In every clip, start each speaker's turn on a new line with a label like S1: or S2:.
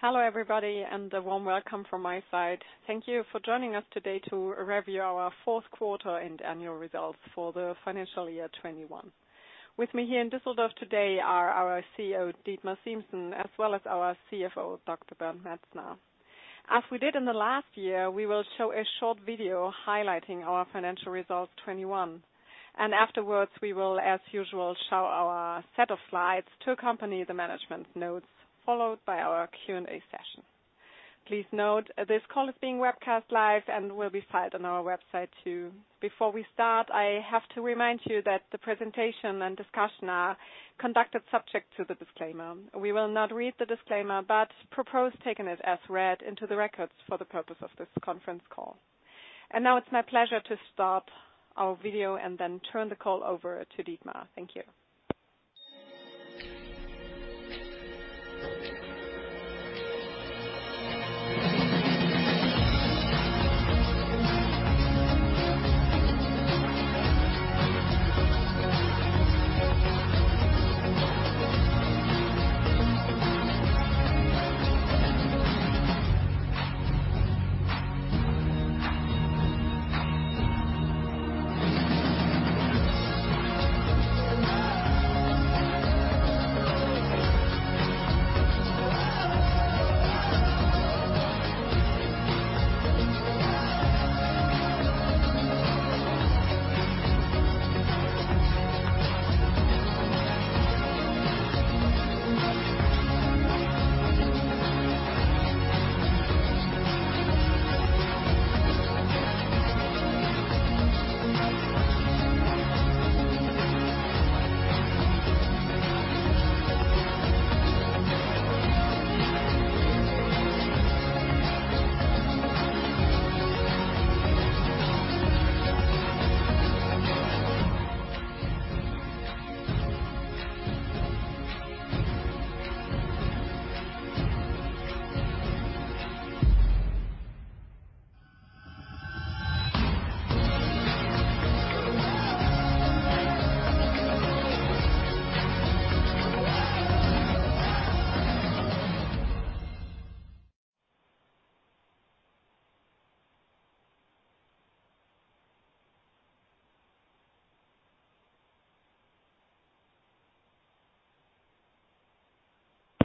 S1: Hello everybody, and a warm welcome from my side. Thank you for joining us today to review our fourth quarter and annual results for the financial year 2021. With me here in Düsseldorf today are our CEO, Dietmar Siemssen, as well as our CFO, Dr. Bernd Metzner. As we did in the last year, we will show a short video highlighting our financial results 2021, and afterwards we will, as usual, show our set of slides to accompany the management's notes, followed by our Q&A session. Please note this call is being webcast live and will be filed on our website, too. Before we start, I have to remind you that the presentation and discussion are conducted subject to the disclaimer. We will not read the disclaimer, but propose taking it as read into the records for the purpose of this conference call. Now it's my pleasure to start our video and then turn the call over to Dietmar. Thank you.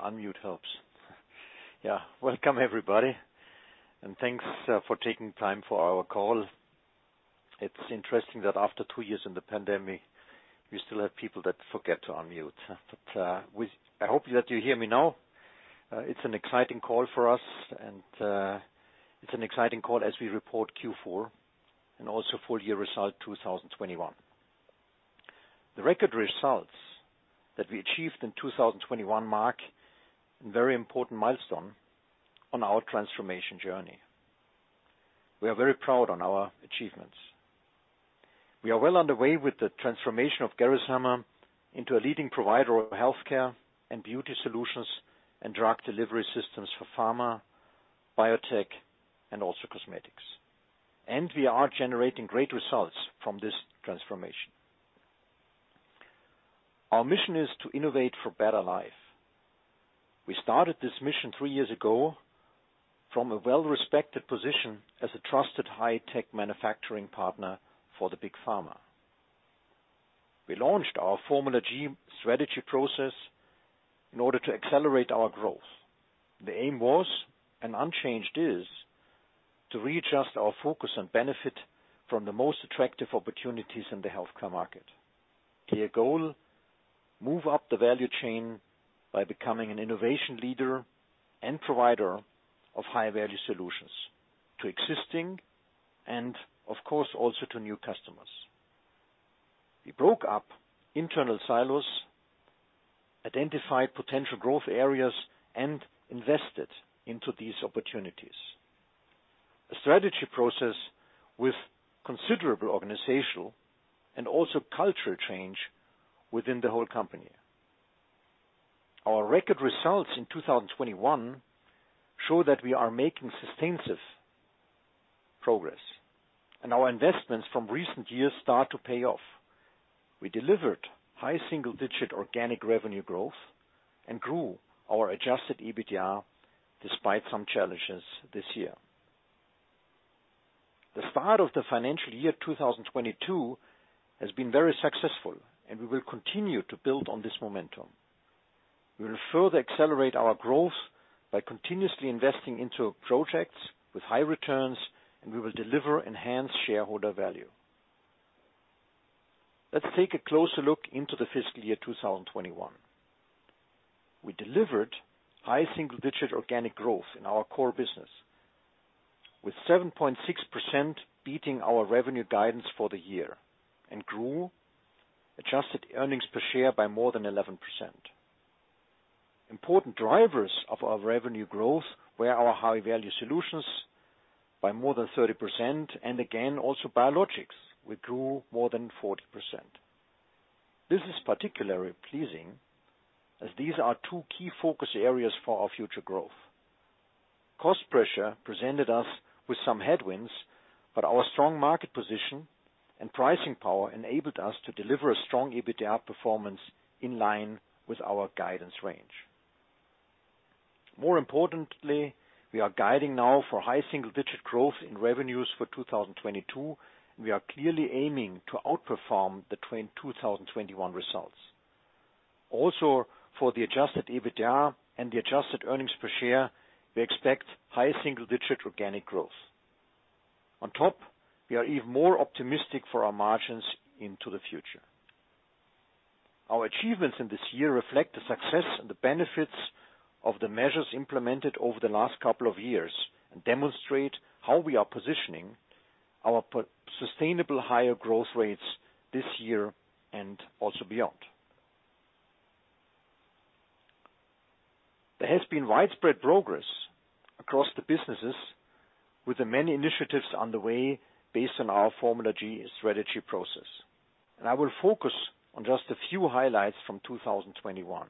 S2: Unmute helps. Yeah. Welcome everybody, and thanks for taking time for our call. It's interesting that after two years in the pandemic, we still have people that forget to unmute. I hope that you hear me now. It's an exciting call for us and it's an exciting call as we report Q4 and also full year result 2021. The record results that we achieved in 2021 mark a very important milestone on our transformation journey. We are very proud on our achievements. We are well underway with the transformation of Gerresheimer into a leading provider of healthcare and beauty solutions and drug delivery systems for pharma, biotech, and also cosmetics. We are generating great results from this transformation. Our mission is to innovate for better life. We started this mission three years ago from a well-respected position as a trusted high tech manufacturing partner for the big pharma. We launched our formula g strategy process in order to accelerate our growth. The aim was, and unchanged is, to readjust our focus and benefit from the most attractive opportunities in the healthcare market. Clear goal, move up the value chain by becoming an innovation leader and provider of high-value solutions to existing and of course also to new customers. We broke up internal silos, identified potential growth areas, and invested into these opportunities, a strategy process with considerable organizational and also cultural change within the whole company. Our record results in 2021 show that we are making substantive progress and our investments from recent years start to pay off. We delivered high single-digit organic revenue growth and grew our adjusted EBITDA despite some challenges this year. The start of the financial year 2022 has been very successful and we will continue to build on this momentum. We will further accelerate our growth by continuously investing into projects with high returns and we will deliver enhanced shareholder value. Let's take a closer look into the fiscal year 2021. We delivered high single-digit organic growth in our core business with 7.6% beating our revenue guidance for the year, and grew adjusted earnings per share by more than 11%. Important drivers of our revenue growth were our high-value solutions by more than 30%, and again, also biologics. We grew more than 40%. This is particularly pleasing as these are two key focus areas for our future growth. Cost pressure presented us with some headwinds, but our strong market position and pricing power enabled us to deliver a strong EBITDA performance in line with our guidance range. More importantly, we are guiding now for high single-digit growth in revenues for 2022. We are clearly aiming to outperform the 2021 results. Also, for the adjusted EBITDA and the adjusted earnings per share, we expect high single-digit organic growth. On top, we are even more optimistic for our margins into the future. Our achievements in this year reflect the success and the benefits of the measures implemented over the last couple of years and demonstrate how we are positioning our sustainable higher growth rates this year and also beyond. There has been widespread progress across the businesses with the many initiatives underway based on our formula g strategy process. I will focus on just a few highlights from 2021.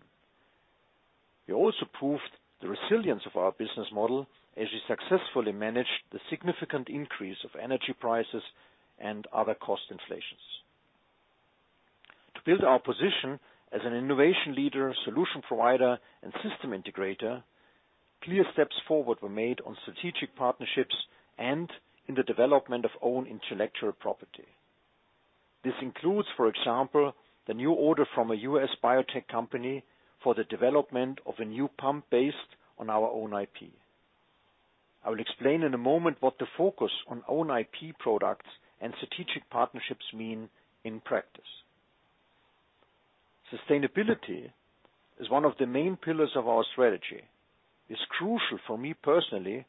S2: We also proved the resilience of our business model as we successfully managed the significant increase of energy prices and other cost inflations. To build our position as an innovation leader, solution provider, and system integrator, clear steps forward were made on strategic partnerships and in the development of own intellectual property. This includes, for example, the new order from a U.S. biotech company for the development of a new pump based on our own IP. I will explain in a moment what the focus on own IP products and strategic partnerships mean in practice. Sustainability is one of the main pillars of our strategy. It's crucial for me personally,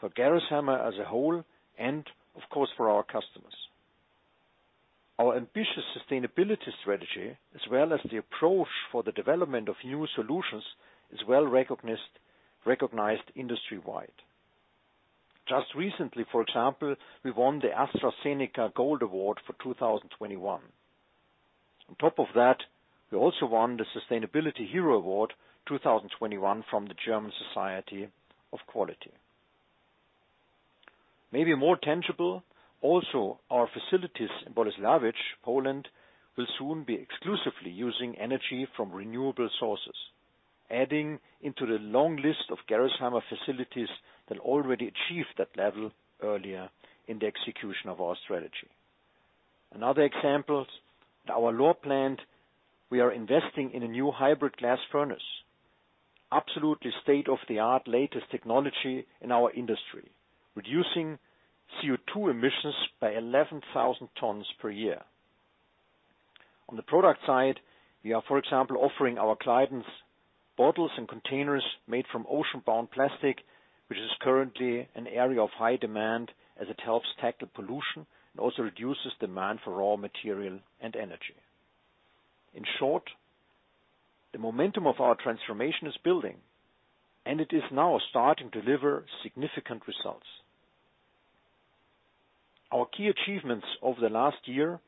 S2: for Gerresheimer as a whole, and of course, for our customers. Our ambitious sustainability strategy, as well as the approach for the development of new solutions, is well recognized industry-wide. Just recently, for example, we won the AstraZeneca Gold Award for 2021. On top of that, we also won the Sustainability Heroes Award 2021 from the German Society for Quality. Maybe more tangible, also, our facilities in Bolesławiec, Poland, will soon be exclusively using energy from renewable sources, adding into the long list of Gerresheimer facilities that already achieved that level earlier in the execution of our strategy. Another example, at our Lohr plant, we are investing in a new hybrid glass furnace, absolutely state-of-the-art latest technology in our industry, reducing CO₂ emissions by 11,000 tons per year. On the product side, we are, for example, offering our clients bottles and containers made from ocean-bound plastic, which is currently an area of high demand as it helps tackle pollution and also reduces demand for raw material and energy. In short, the momentum of our transformation is building, and it is now starting to deliver significant results. Our key achievements over the last year,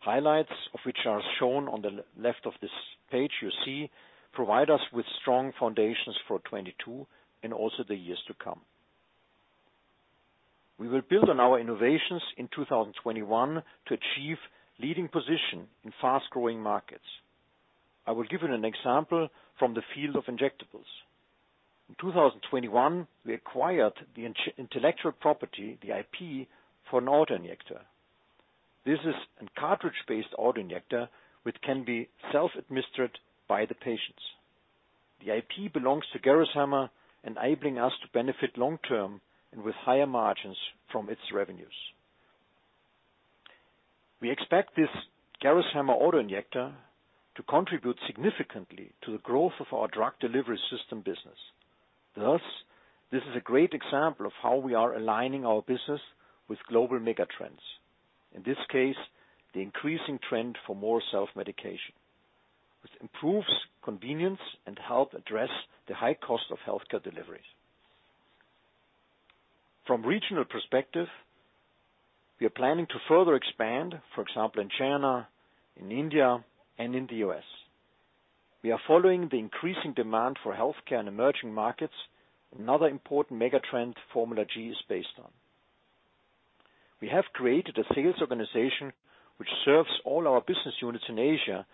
S2: highlights of which are shown on the left of this page you see, provide us with strong foundations for 2022 and also the years to come. We will build on our innovations in 2021 to achieve leading position in fast-growing markets. I will give you an example from the field of injectables. In 2021, we acquired the intellectual property, the IP, for an autoinjector. This is a cartridge-based autoinjector which can be self-administered by the patients. The IP belongs to Gerresheimer, enabling us to benefit long-term and with higher margins from its revenues. We expect this Gerresheimer autoinjector to contribute significantly to the growth of our drug delivery system business. Thus, this is a great example of how we are aligning our business with global megatrends. In this case, the increasing trend for more self-medication, which improves convenience and help address the high cost of healthcare deliveries. From regional perspective, we are planning to further expand, for example, in China, in India, and in the U.S. We are following the increasing demand for healthcare in emerging markets, another important megatrend formula g is based on. We have created a sales organization which serves all our business units in Asia,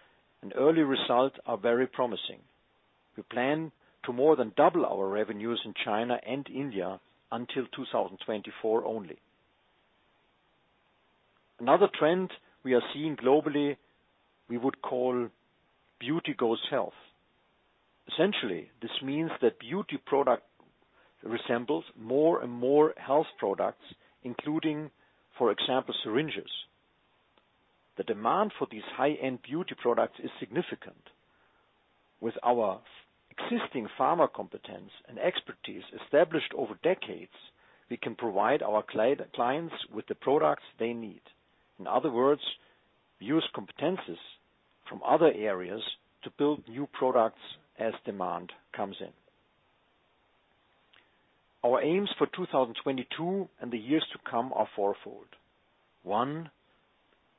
S2: and early results are very promising. We plan to more than double our revenues in China and India until 2024 only. Another trend we are seeing globally, we would call beauty goes health. Essentially, this means that beauty product resembles more and more health products, including, for example, syringes. The demand for these high-end beauty products is significant. With our existing pharma competence and expertise established over decades, we can provide our clients with the products they need. In other words, we use competences from other areas to build new products as demand comes in. Our aims for 2022 and the years to come are fourfold. One.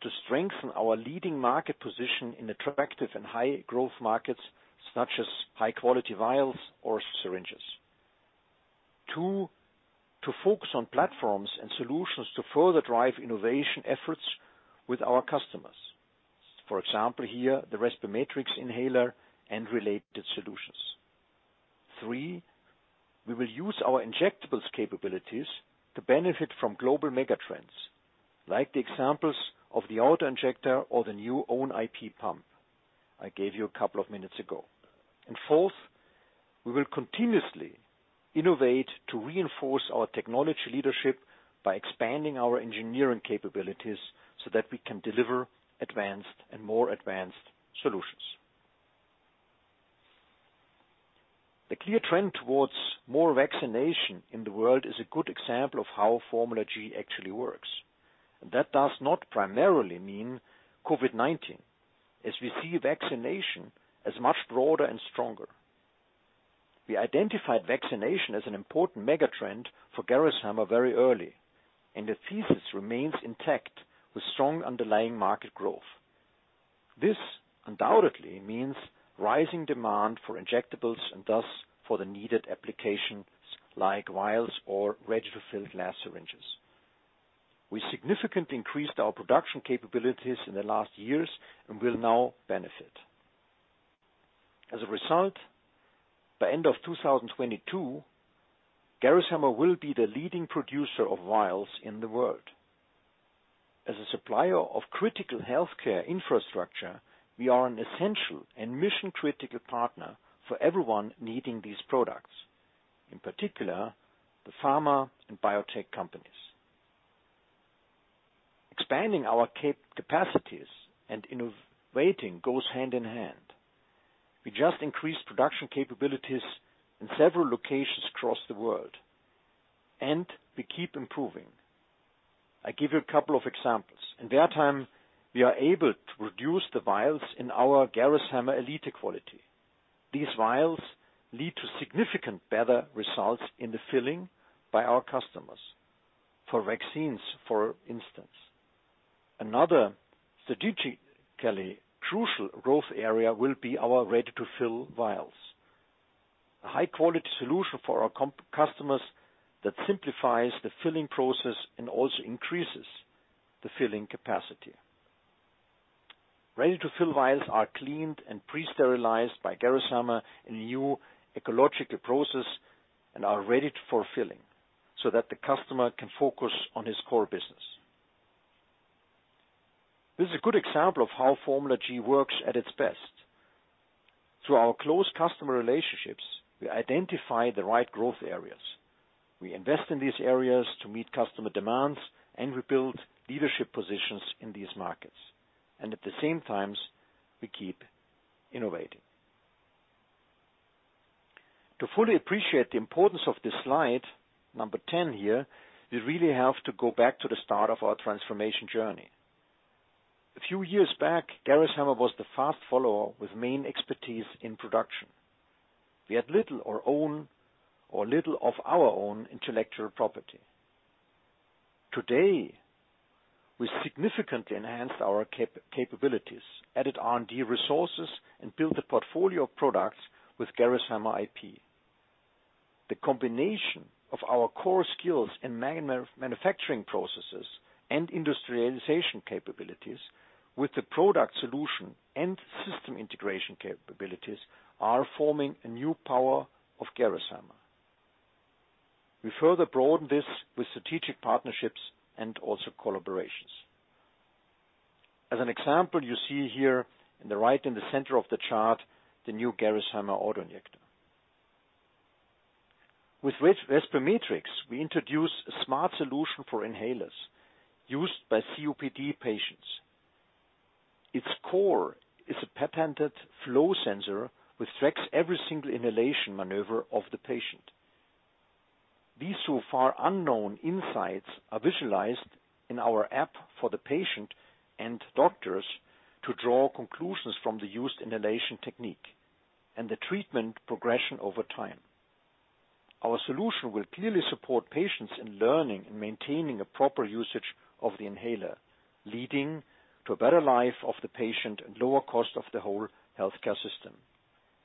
S2: To strengthen our leading market position in attractive and high growth markets, such as high quality vials or syringes. Two, to focus on platforms and solutions to further drive innovation efforts with our customers. For example, here, the Respimat inhaler and related solutions. Three, we will use our injectables capabilities to benefit from global mega trends, like the examples of the auto-injector or the new own IP pump I gave you a couple of minutes ago. Fourth, we will continuously innovate to reinforce our technology leadership by expanding our engineering capabilities so that we can deliver advanced and more advanced solutions. The clear trend towards more vaccination in the world is a good example of how formula g actually works. That does not primarily mean COVID-19, as we see vaccination as much broader and stronger. We identified vaccination as an important mega trend for Gerresheimer very early, and the thesis remains intact with strong underlying market growth. This undoubtedly means rising demand for injectables and thus for the needed applications like vials or ready-to-fill glass syringes. We significantly increased our production capabilities in the last years and will now benefit. As a result, by end of 2022, Gerresheimer will be the leading producer of vials in the world. As a supplier of critical healthcare infrastructure, we are an essential and mission-critical partner for everyone needing these products, in particular the pharma and biotech companies. Expanding our capacities and innovating goes hand in hand. We just increased production capabilities in several locations across the world, and we keep improving. I give you a couple of examples. In Wertheim, we are able to produce the vials in our Gerresheimer Elite quality. These vials lead to significant better results in the filling by our customers for vaccines, for instance. Another strategically crucial growth area will be our ready-to-fill vials. A high-quality solution for our customers that simplifies the filling process and also increases the filling capacity. Ready-to-fill vials are cleaned and pre-sterilized by Gerresheimer in a new ecological process and are ready for filling so that the customer can focus on his core business. This is a good example of how formula g works at its best. Through our close customer relationships, we identify the right growth areas. We invest in these areas to meet customer demands, and we build leadership positions in these markets. At the same time, we keep innovating. To fully appreciate the importance of this slide, number 10 here, we really have to go back to the start of our transformation journey. A few years back, Gerresheimer was the fast follower with main expertise in production. We had little of our own intellectual property. Today, we significantly enhanced our capabilities, added R&D resources, and built a portfolio of products with Gerresheimer IP. The combination of our core skills in manufacturing processes and industrialization capabilities with the product solution and system integration capabilities are forming a new power of Gerresheimer. We further broaden this with strategic partnerships and also collaborations. As an example, you see here in the right, in the center of the chart, the new Gerresheimer autoinjector. With Respimat, we introduced a smart solution for inhalers used by COPD patients. Its core is a patented flow sensor which tracks every single inhalation maneuver of the patient. These so far unknown insights are visualized in our app for the patient and doctors to draw conclusions from the used inhalation technique and the treatment progression over time. Our solution will clearly support patients in learning and maintaining a proper usage of the inhaler, leading to a better life of the patient and lower cost of the whole healthcare system.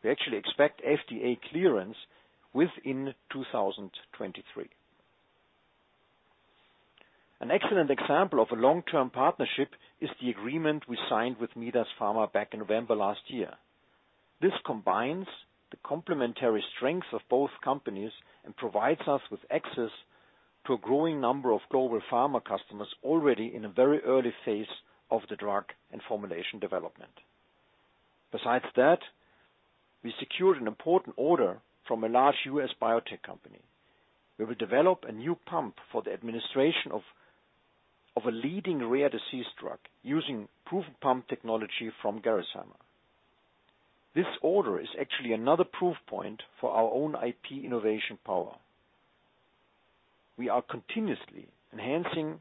S2: We actually expect FDA clearance within 2023. An excellent example of a long-term partnership is the agreement we signed with Midas Pharma back in November last year. This combines the complementary strengths of both companies and provides us with access to a growing number of global pharma customers already in a very early phase of the drug and formulation development. Besides that, we secured an important order from a large U.S. biotech company. We will develop a new pump for the administration of a leading rare disease drug using proven pump technology from Gerresheimer. This order is actually another proof point for our own IP innovation power. We are continuously enhancing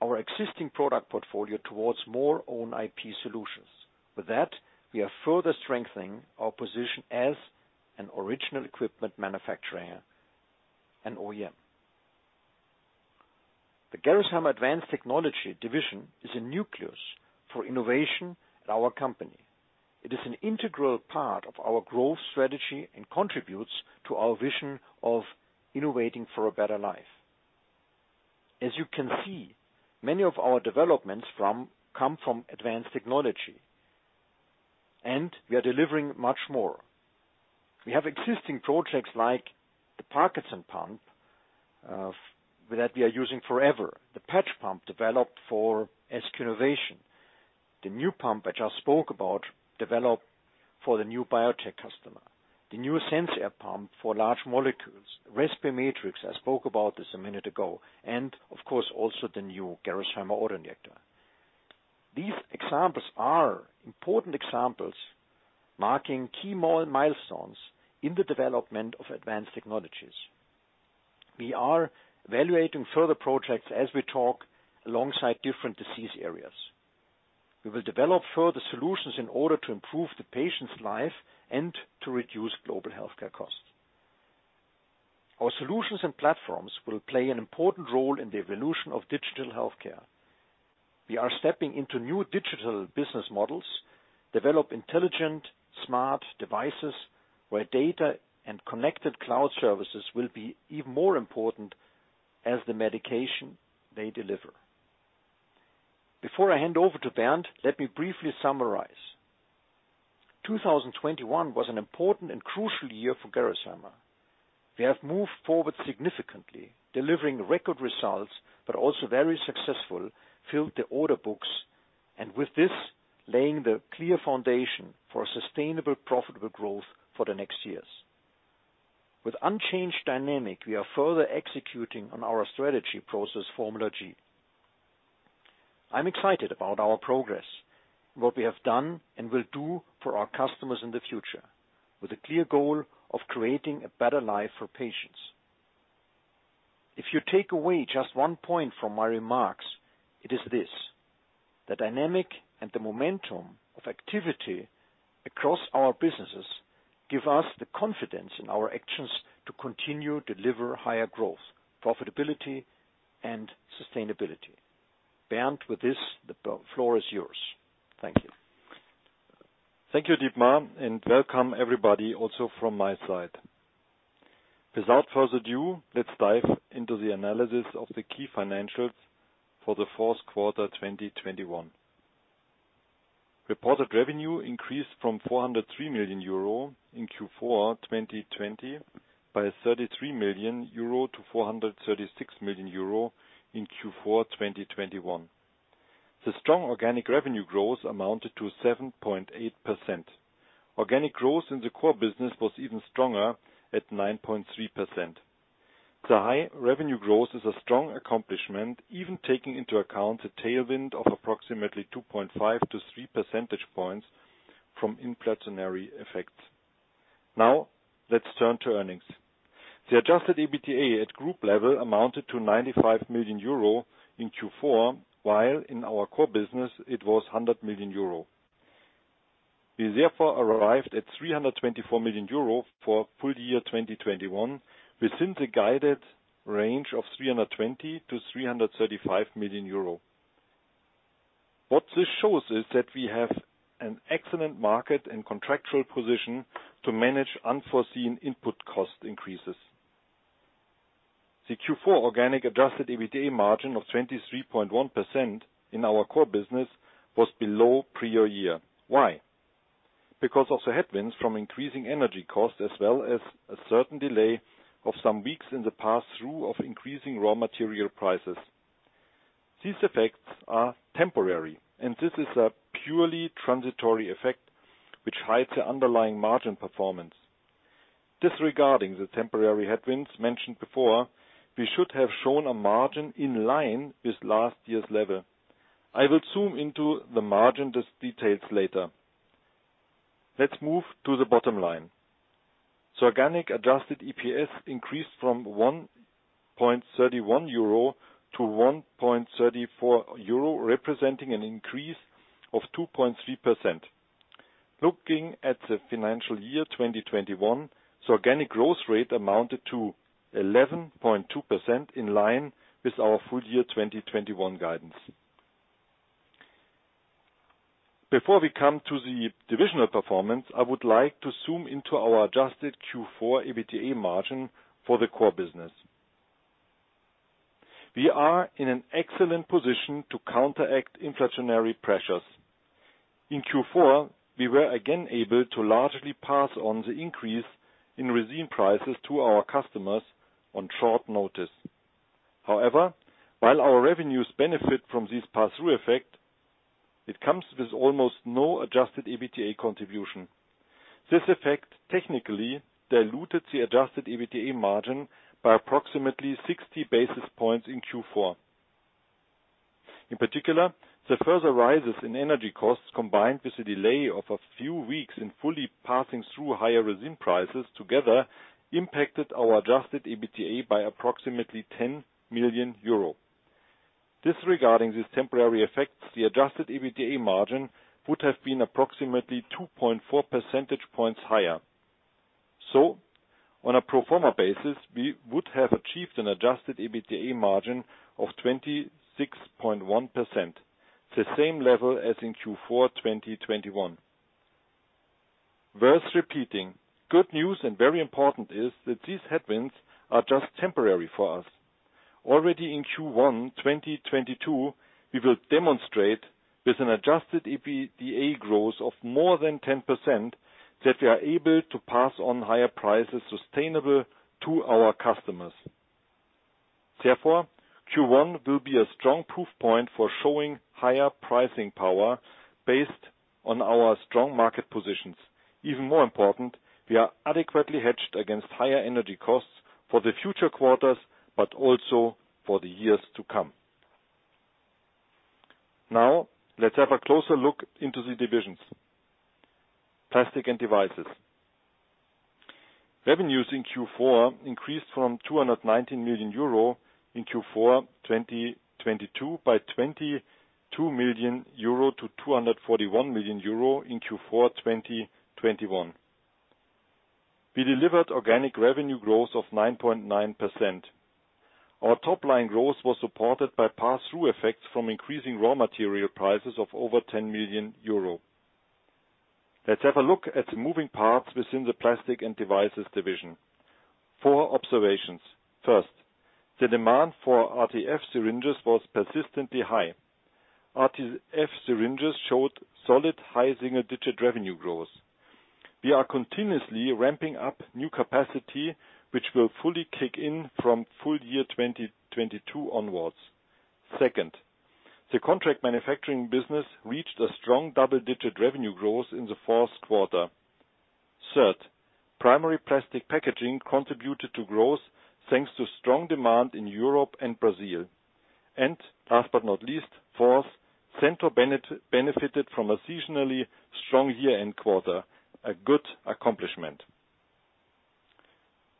S2: our existing product portfolio towards more own IP solutions. With that, we are further strengthening our position as an original equipment manufacturer and OEM. The Gerresheimer Advanced Technologies division is a nucleus for innovation at our company. It is an integral part of our growth strategy and contributes to our vision of innovating for a better life. As you can see, many of our developments come from advanced technology, and we are delivering much more. We have existing projects like the Parkinson pump, with that we are using forever. The patch pump developed for SQ Innovation. The new pump I just spoke about, developed for the new biotech customer. The new Sensile pump for large molecules. Respimat, I spoke about this a minute ago, and of course, also the new Gerresheimer autoinjector. These examples are important examples marking key more milestones in the development of advanced technologies. We are evaluating further projects as we talk alongside different disease areas. We will develop further solutions in order to improve the patient's life and to reduce global healthcare costs. Our solutions and platforms will play an important role in the evolution of digital healthcare. We are stepping into new digital business models, develop intelligent, smart devices where data and connected cloud services will be even more important as the medication they deliver. Before I hand over to Bernd, let me briefly summarize. 2021 was an important and crucial year for Gerresheimer. We have moved forward significantly, delivering record results, but also very successful filled the order books, and with this, laying the clear foundation for a sustainable, profitable growth for the next years. With unchanged dynamic, we are further executing on our strategy process, formula g. I'm excited about our progress, what we have done and will do for our customers in the future with a clear goal of creating a better life for patients. If you take away just one point from my remarks, it is this. The dynamic and the momentum of activity across our businesses give us the confidence in our actions to continue to deliver higher growth, profitability, and sustainability. Bernd, with this, the floor is yours. Thank you.
S3: Thank you, Dietmar, and welcome everybody, also from my side. Without further ado, let's dive into the analysis of the key financials for the fourth quarter, 2021. Reported revenue increased from 403 million euro in Q4 2020 by 33 million-436 million euro in Q4 2021. The strong organic revenue growth amounted to 7.8%. Organic growth in the core business was even stronger at 9.3%. The high revenue growth is a strong accomplishment, even taking into account the tailwind of approximately 2.5 to 3 percentage points from inflationary effects. Now, let's turn to earnings. The adjusted EBITDA at group level amounted to 95 million euro in Q4, while in our core business it was 100 million euro. We therefore arrived at 324 million euro for full year 2021, within the guided range of 320 million-335 million euro. What this shows is that we have an excellent market and contractual position to manage unforeseen input cost increases. The Q4 organic adjusted EBITDA margin of 23.1% in our core business was below prior year. Why? Because of the headwinds from increasing energy costs, as well as a certain delay of some weeks in the pass-through of increasing raw material prices. These effects are temporary, and this is a purely transitory effect which hides the underlying margin performance. Disregarding the temporary headwinds mentioned before, we should have shown a margin in line with last year's level. I will zoom into the margin, these details later. Let's move to the bottom line. Organic adjusted EPS increased from 1.31-1.34 euro, representing an increase of 2.3%. Looking at the financial year 2021, the organic growth rate amounted to 11.2% in line with our full year 2021 guidance. Before we come to the divisional performance, I would like to zoom into our adjusted Q4 EBITDA margin for the core business. We are in an excellent position to counteract inflationary pressures. In Q4, we were again able to largely pass on the increase in resin prices to our customers on short notice. However, while our revenues benefit from this pass-through effect, it comes with almost no adjusted EBITDA contribution. This effect technically diluted the adjusted EBITDA margin by approximately 60 basis points in Q4. In particular, the further rises in energy costs, combined with the delay of a few weeks in fully passing through higher resin prices together impacted our adjusted EBITDA by approximately 10 million euro. Disregarding these temporary effects, the adjusted EBITDA margin would have been approximately 2.4 percentage points higher. On a pro forma basis, we would have achieved an adjusted EBITDA margin of 26.1%, the same level as in Q4 2021. Worth repeating, good news and very important is that these headwinds are just temporary for us. Already in Q1 2022, we will demonstrate with an adjusted EBITDA growth of more than 10% that we are able to pass on higher prices sustainable to our customers. Therefore, Q1 will be a strong proof point for showing higher pricing power based on our strong market positions. Even more important, we are adequately hedged against higher energy costs for the future quarters, but also for the years to come. Now, let's have a closer look into the divisions. Plastics & Devices. Revenues in Q4 increased from 219 million euro in Q4 2020 by 22 million euro to 241 million euro in Q4 2021. We delivered organic revenue growth of 9.9%. Our top-line growth was supported by pass-through effects from increasing raw material prices of over 10 million euro. Let's have a look at the moving parts within the Plastics & Devices division. Four observations. First, the demand for RTF syringes was persistently high. RTF syringes showed solid high single-digit revenue growth. We are continuously ramping up new capacity, which will fully kick in from full year 2022 onwards. Second, the contract manufacturing business reached a strong double-digit revenue growth in the fourth quarter. Third, primary plastic packaging contributed to growth, thanks to strong demand in Europe and Brazil. Last but not least, fourth, Centor benefited from a seasonally strong year-end quarter, a good accomplishment.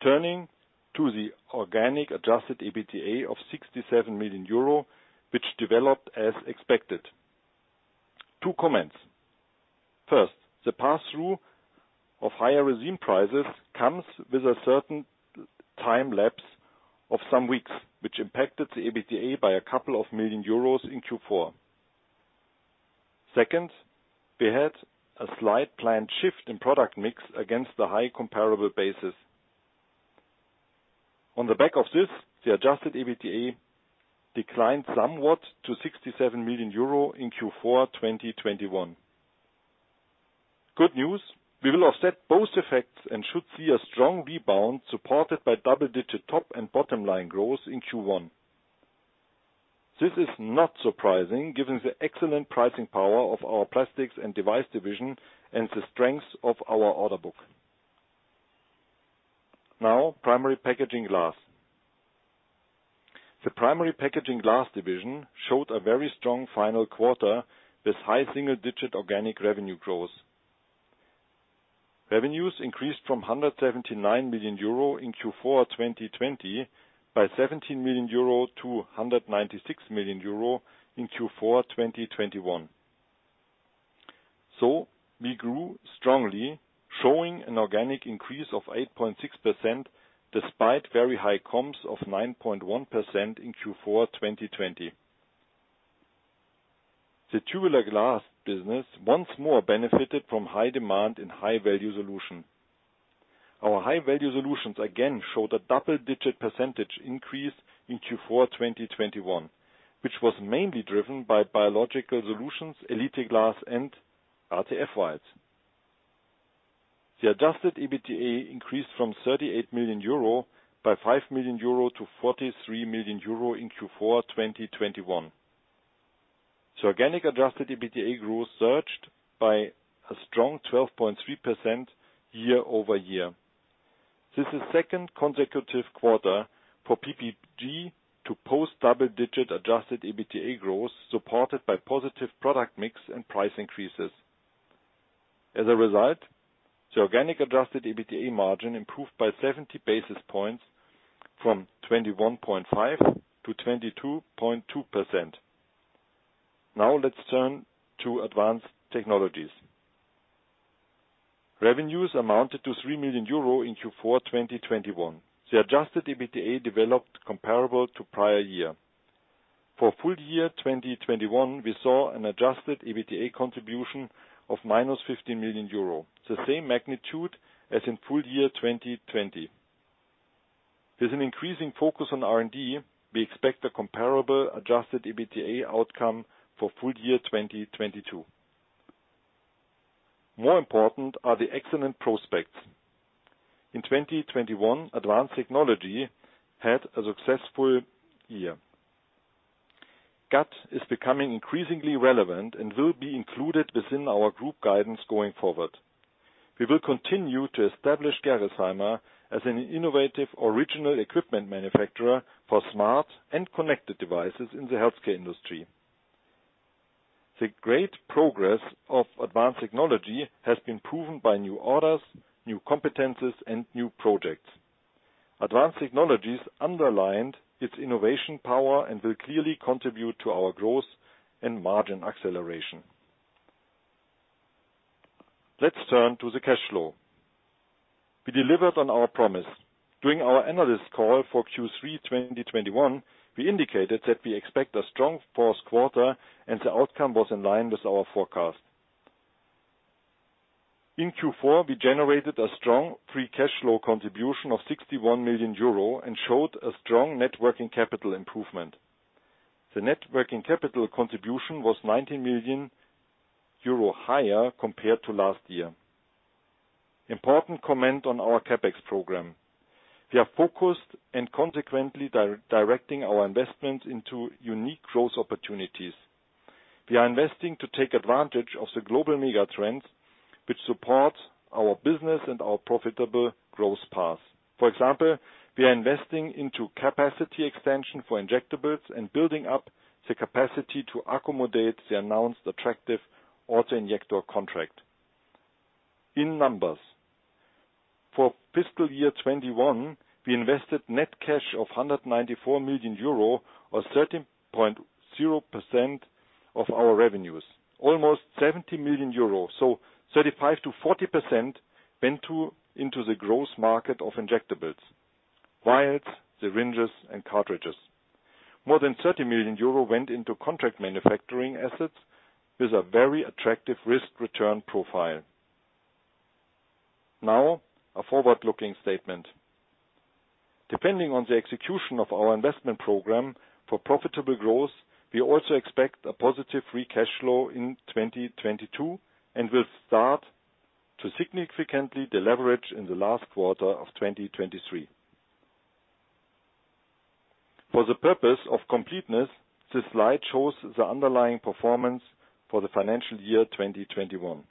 S3: Turning to the organic adjusted EBITDA of 67 million euro, which developed as expected. Two comments. First, the pass-through of higher resin prices comes with a certain time lapse of some weeks, which impacted the EBITDA by a couple of million EUR in Q4. Second, we had a slight planned shift in product mix against the high comparable basis. On the back of this, the adjusted EBITDA declined somewhat to 67 million euro in Q4 2021. Good news, we will offset both effects and should see a strong rebound supported by double-digit top and bottom line growth in Q1. This is not surprising given the excellent pricing power of our Plastics & Devices division and the strengths of our order book. Now, Primary Packaging Glass. The Primary Packaging Glass division showed a very strong final quarter with high single-digit organic revenue growth. Revenues increased from 179 million euro in Q4 2020 by 17 million-196 million euro in Q4 2021. We grew strongly, showing an organic increase of 8.6% despite very high comps of 9.1% in Q4 2020. The tubular glass business once more benefited from high demand and high-value solution. Our high-value solutions again showed a double-digit percentage increase in Q4 2021, which was mainly driven by biological solutions, Elite Glass, and RTF vials. The adjusted EBITDA increased from 38 million euro by 5 million-43 million euro in Q4 2021. The organic adjusted EBITDA growth surged by a strong 12.3% year-over-year. This is the second consecutive quarter for PPG to post double-digit adjusted EBITDA growth, supported by positive product mix and price increases. As a result, the organic adjusted EBITDA margin improved by 70 basis points from 21.5%-22.2%. Now let's turn to Advanced Technologies. Revenues amounted to 3 million euro in Q4 2021. The adjusted EBITDA developed comparably to prior year. For full year 2021, we saw an adjusted EBITDA contribution of -50 million euro, the same magnitude as in full year 2020. With an increasing focus on R&D, we expect a comparable adjusted EBITDA outcome for full year 2022. More important are the excellent prospects. In 2021, Advanced Technologies had a successful year. GAT is becoming increasingly relevant and will be included within our group guidance going forward. We will continue to establish Gerresheimer as an innovative original equipment manufacturer for smart and connected devices in the healthcare industry. The great progress of Advanced Technologies has been proven by new orders, new competencies, and new projects. Advanced Technologies underlined its innovation power and will clearly contribute to our growth and margin acceleration. Let's turn to the cash flow. We delivered on our promise. During our analyst call for Q3 2021, we indicated that we expect a strong fourth quarter, and the outcome was in line with our forecast. In Q4, we generated a strong free cash flow contribution of 61 million euro and showed a strong net working capital improvement. The net working capital contribution was 19 million euro higher compared to last year. Important comment on our CapEx program. We are focused and consequently directing our investments into unique growth opportunities. We are investing to take advantage of the global mega trends which support our business and our profitable growth path. For example, we are investing into capacity extension for injectables and building up the capacity to accommodate the announced attractive auto-injector contract. In numbers. For fiscal year 2021, we invested net cash of 194 million euro or 13.0% of our revenues. Almost 70 million euros, so 30%-40% went into the growth market of injectables. Vials, syringes, and cartridges. More than 30 million euro went into contract manufacturing assets with a very attractive risk-return profile. Now, a forward-looking statement. Depending on the execution of our investment program for profitable growth, we also expect a positive free cash flow in 2022 and will start to significantly deleverage in the last quarter of 2023. For the purpose of completeness, this slide shows the underlying performance for the financial year 2021.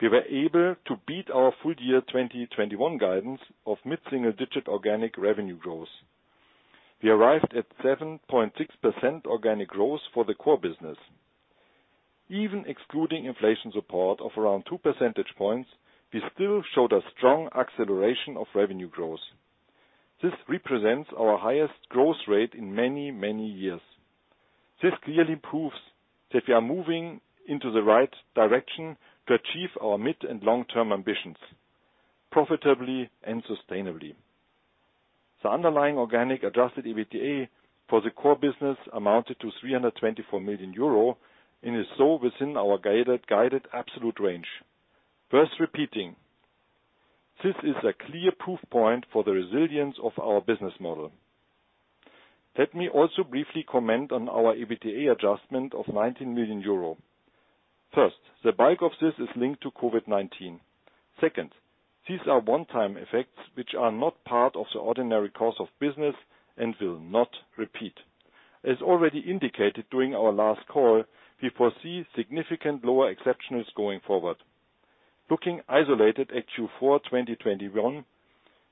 S3: We were able to beat our full year 2021 guidance of mid-single-digit organic revenue growth. We arrived at 7.6% organic growth for the core business. Even excluding inflation support of around 2 percentage points, we still showed a strong acceleration of revenue growth. This represents our highest growth rate in many, many years. This clearly proves that we are moving into the right direction to achieve our mid and long-term ambitions profitably and sustainably. The underlying organic adjusted EBITDA for the core business amounted to 324 million euro and is so within our guided absolute range. Worth repeating, this is a clear proof point for the resilience of our business model. Let me also briefly comment on our EBITDA adjustment of 19 million euro. First, the bulk of this is linked to COVID-19. Second, these are one-time effects which are not part of the ordinary course of business and will not repeat. As already indicated during our last call, we foresee significant lower exceptionals going forward. Looking isolated at Q4 2021,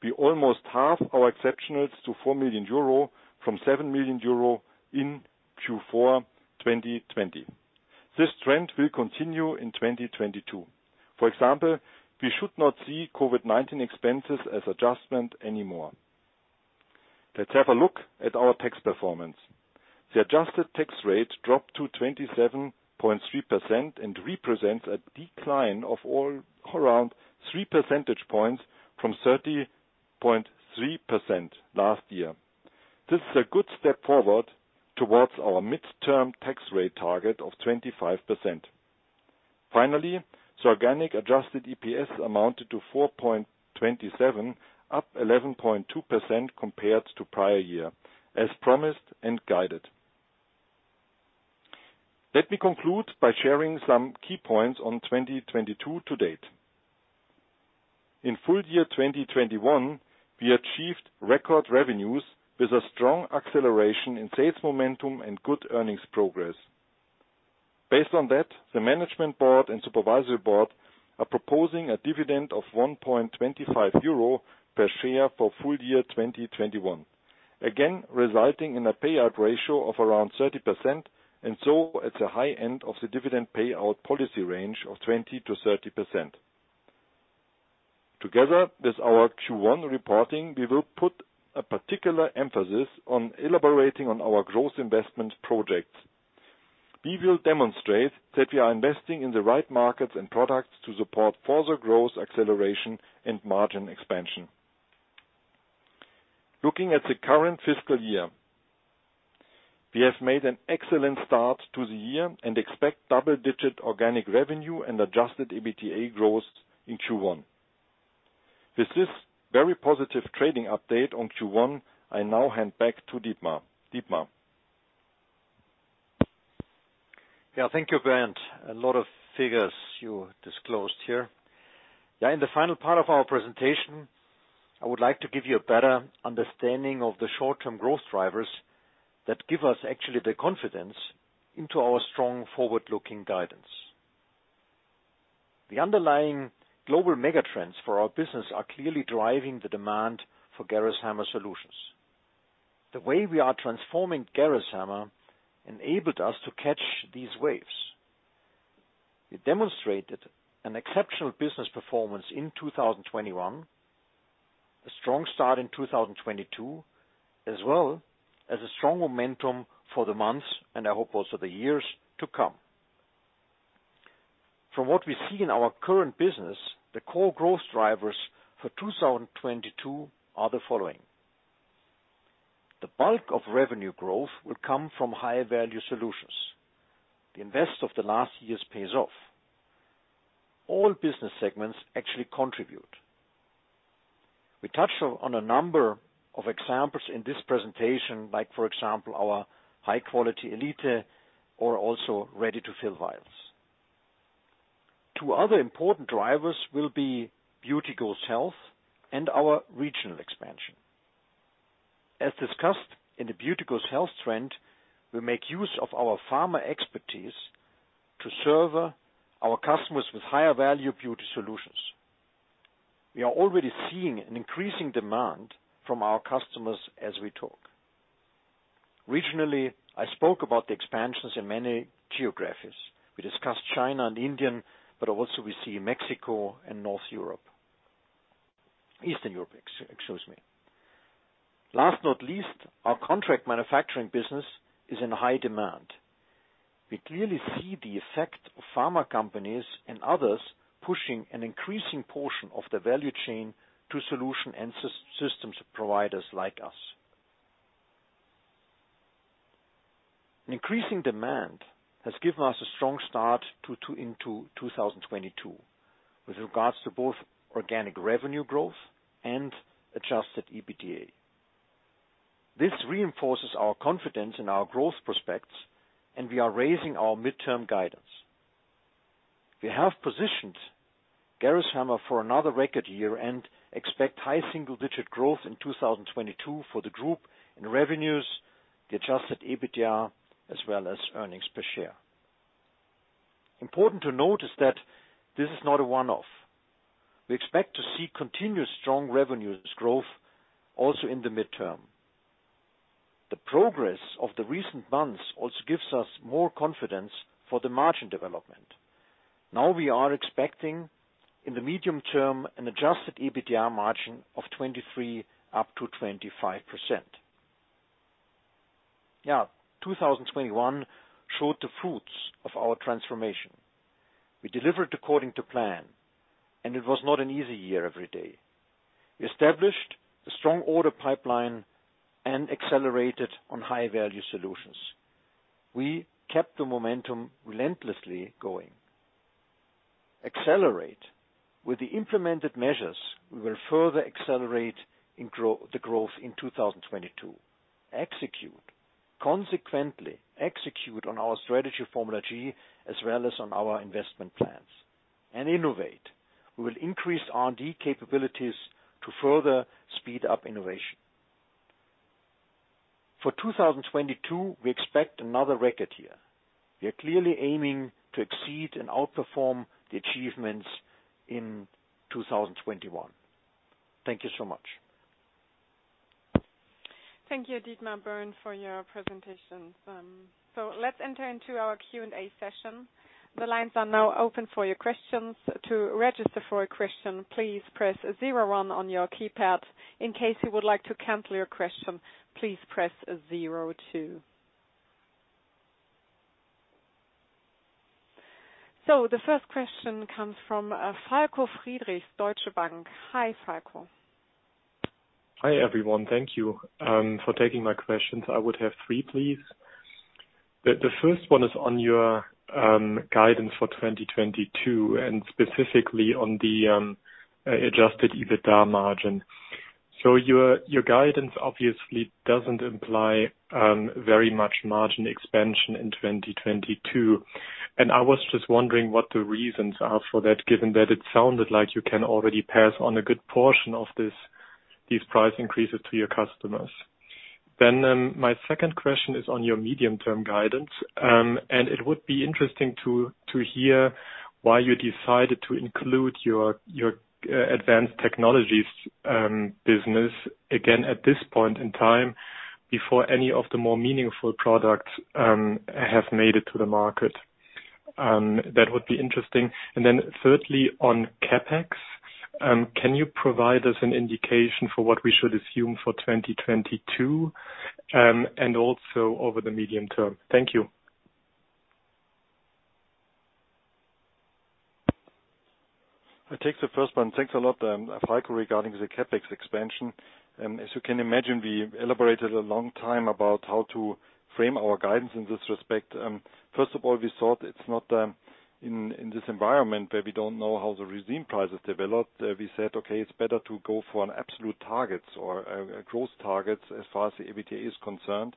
S3: we almost halve our exceptionals to 4 million euro from 7 million euro in Q4 2020. This trend will continue in 2022. For example, we should not see COVID-19 expenses as adjustment anymore. Let's have a look at our tax performance. The adjusted tax rate dropped to 27.3% and represents a decline of around three percentage points from 30.3% last year. This is a good step forward towards our mid-term tax rate target of 25%. Finally, the organic adjusted EPS amounted to 4.27, up 11.2% compared to prior year as promised and guided. Let me conclude by sharing some key points on 2022 to date. In full year 2021, we achieved record revenues with a strong acceleration in sales momentum and good earnings progress. Based on that, the Management Board and Supervisory Board are proposing a dividend of 1.25 euro per share for full year 2021. Again, resulting in a payout ratio of around 30%, and so at the high end of the dividend payout policy range of 20%-30%. Together with our Q1 reporting, we will put a particular emphasis on elaborating on our growth investment projects. We will demonstrate that we are investing in the right markets and products to support further growth, acceleration, and margin expansion. Looking at the current fiscal year, we have made an excellent start to the year and expect double-digit organic revenue and adjusted EBITDA growth in Q1. With this very positive trading update on Q1, I now hand back to Dietmar. Dietmar.
S2: Yeah, thank you, Bernd. A lot of figures you disclosed here. Yeah, in the final part of our presentation, I would like to give you a better understanding of the short-term growth drivers that give us actually the confidence into our strong forward-looking guidance. The underlying global mega trends for our business are clearly driving the demand for Gerresheimer solutions. The way we are transforming Gerresheimer enabled us to catch these waves. We demonstrated an exceptional business performance in 2021, a strong start in 2022, as well as a strong momentum for the months, and I hope also the years to come. From what we see in our current business, the core growth drivers for 2022 are the following: The bulk of revenue growth will come from higher value solutions. The investment of the last years pays off. All business segments actually contribute. We touch on a number of examples in this presentation, like for example, our high-quality Elite or also ready-to-fill vials. Two other important drivers will be Beauty Goes Health and our regional expansion. As discussed in the Beauty Goes Health trend, we make use of our pharma expertise to serve our customers with higher value beauty solutions. We are already seeing an increasing demand from our customers as we talk. Regionally, I spoke about the expansions in many geographies. We discussed China and India, but also we see Mexico and Eastern Europe, excuse me. Last but not least, our contract manufacturing business is in high demand. We clearly see the effect of pharma companies and others pushing an increasing portion of the value chain to solution and systems providers like us. An increasing demand has given us a strong start into 2022 with regards to both organic revenue growth and adjusted EBITDA. This reinforces our confidence in our growth prospects, and we are raising our mid-term guidance. We have positioned Gerresheimer for another record year and expect high single-digit growth in 2022 for the group in revenues, the adjusted EBITDA, as well as earnings per share. Important to note is that this is not a one-off. We expect to see continuous strong revenues growth also in the mid-term. The progress of the recent months also gives us more confidence for the margin development. Now we are expecting in the medium term an adjusted EBITDA margin of 23%-25%. Yeah. 2021 showed the fruits of our transformation. We delivered according to plan, and it was not an easy year every day. We established a strong order pipeline and accelerated on high value solutions. We kept the momentum relentlessly going. Accelerate. With the implemented measures, we will further accelerate in the growth in 2022. Execute. Consequently, execute on our strategy formula g as well as on our investment plans. Innovate, we will increase R&D capabilities to further speed up innovation. For 2022, we expect another record year. We are clearly aiming to exceed and outperform the achievements in 2021. Thank you so much.
S1: Thank you, Dietmar and Bernd, for your presentations. Let's enter into our Q&A session. The lines are now open for your questions. To register for a question, please press zero one on your keypad. In case you would like to cancel your question, please press zero two. The first question comes from Falko Friedrichs, Deutsche Bank. Hi, Falko.
S4: Hi, everyone. Thank you for taking my questions. I would have three, please. The first one is on your guidance for 2022 and specifically on the adjusted EBITDA margin. So your guidance obviously doesn't imply very much margin expansion in 2022, and I was just wondering what the reasons are for that, given that it sounded like you can already pass on a good portion of these price increases to your customers. Then, my second question is on your medium-term guidance. It would be interesting to hear why you decided to include your Advanced Technologies business again at this point in time before any of the more meaningful products have made it to the market. That would be interesting. Thirdly, on CapEx, can you provide us an indication for what we should assume for 2022, and also over the medium term? Thank you.
S3: I'll take the first one. Thanks a lot, Falko, regarding the CapEx expansion. As you can imagine, we elaborated a long time about how to frame our guidance in this respect. First of all, we thought it's not in this environment where we don't know how the regime prices developed. We said, okay, it's better to go for absolute targets or a growth targets as far as the EBITDA is concerned.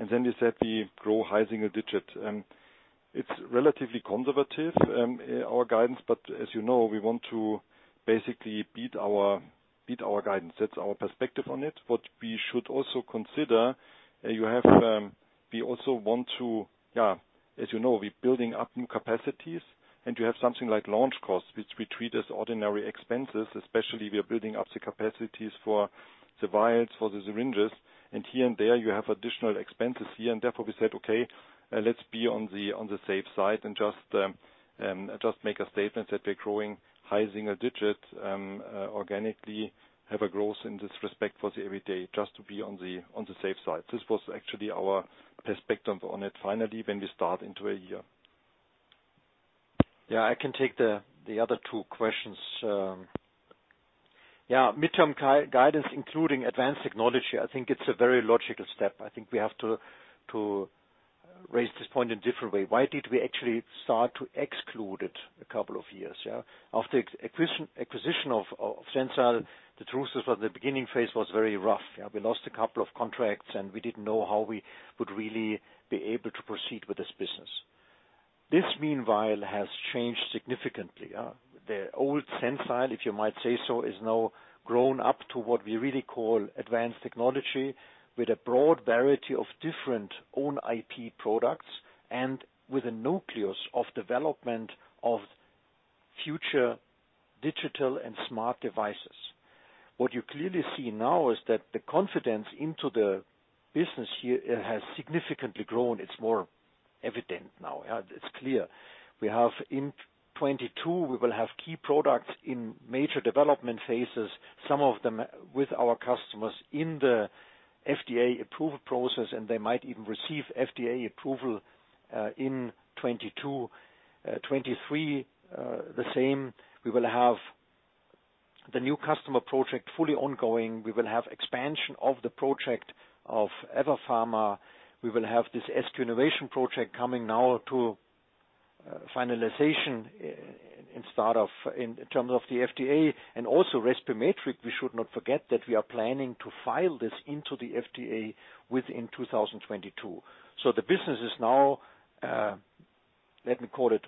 S3: We said we grow high single digit. It's relatively conservative, our guidance, but as you know, we want to basically beat our guidance. That's our perspective on it. What we should also consider, you have- We also want to, yeah, as you know, we're building up new capacities and you have something like launch costs, which we treat as ordinary expenses, especially we are building up the capacities for the vials, for the syringes. Here and there, you have additional expenses here. Therefore we said, Okay, let's be on the safe side and just make a statement that we're growing high single-digit organically, have a growth in this respect for the every day, just to be on the safe side. This was actually our perspective on it finally, when we start into a year.
S2: I can take the other two questions. Mid-term guidance including Advanced Technologies, I think it's a very logical step. I think we have to raise this point in a different way. Why did we actually start to exclude it a couple of years? After acquisition of Sensile, the truth is, the beginning phase was very rough. We lost a couple of contracts, and we didn't know how we would really be able to proceed with this business. This meanwhile has changed significantly. The old Sensile, if you might say so, is now grown up to what we really call Advanced Technologies with a broad variety of different own IP products and with a nucleus of development of future digital and smart devices. What you clearly see now is that the confidence into the business here, it has significantly grown. It's more evident now. It's clear. We have in 2022, we will have key products in major development phases, some of them with our customers in the FDA approval process, and they might even receive FDA approval in 2022. 2023, the same. We will have the new customer project fully ongoing. We will have expansion of the project of EVER Pharma. We will have this SQ Innovation project coming now to finalization in terms of the FDA. Also Respimat, we should not forget that we are planning to file this into the FDA within 2022. The business is now, let me call it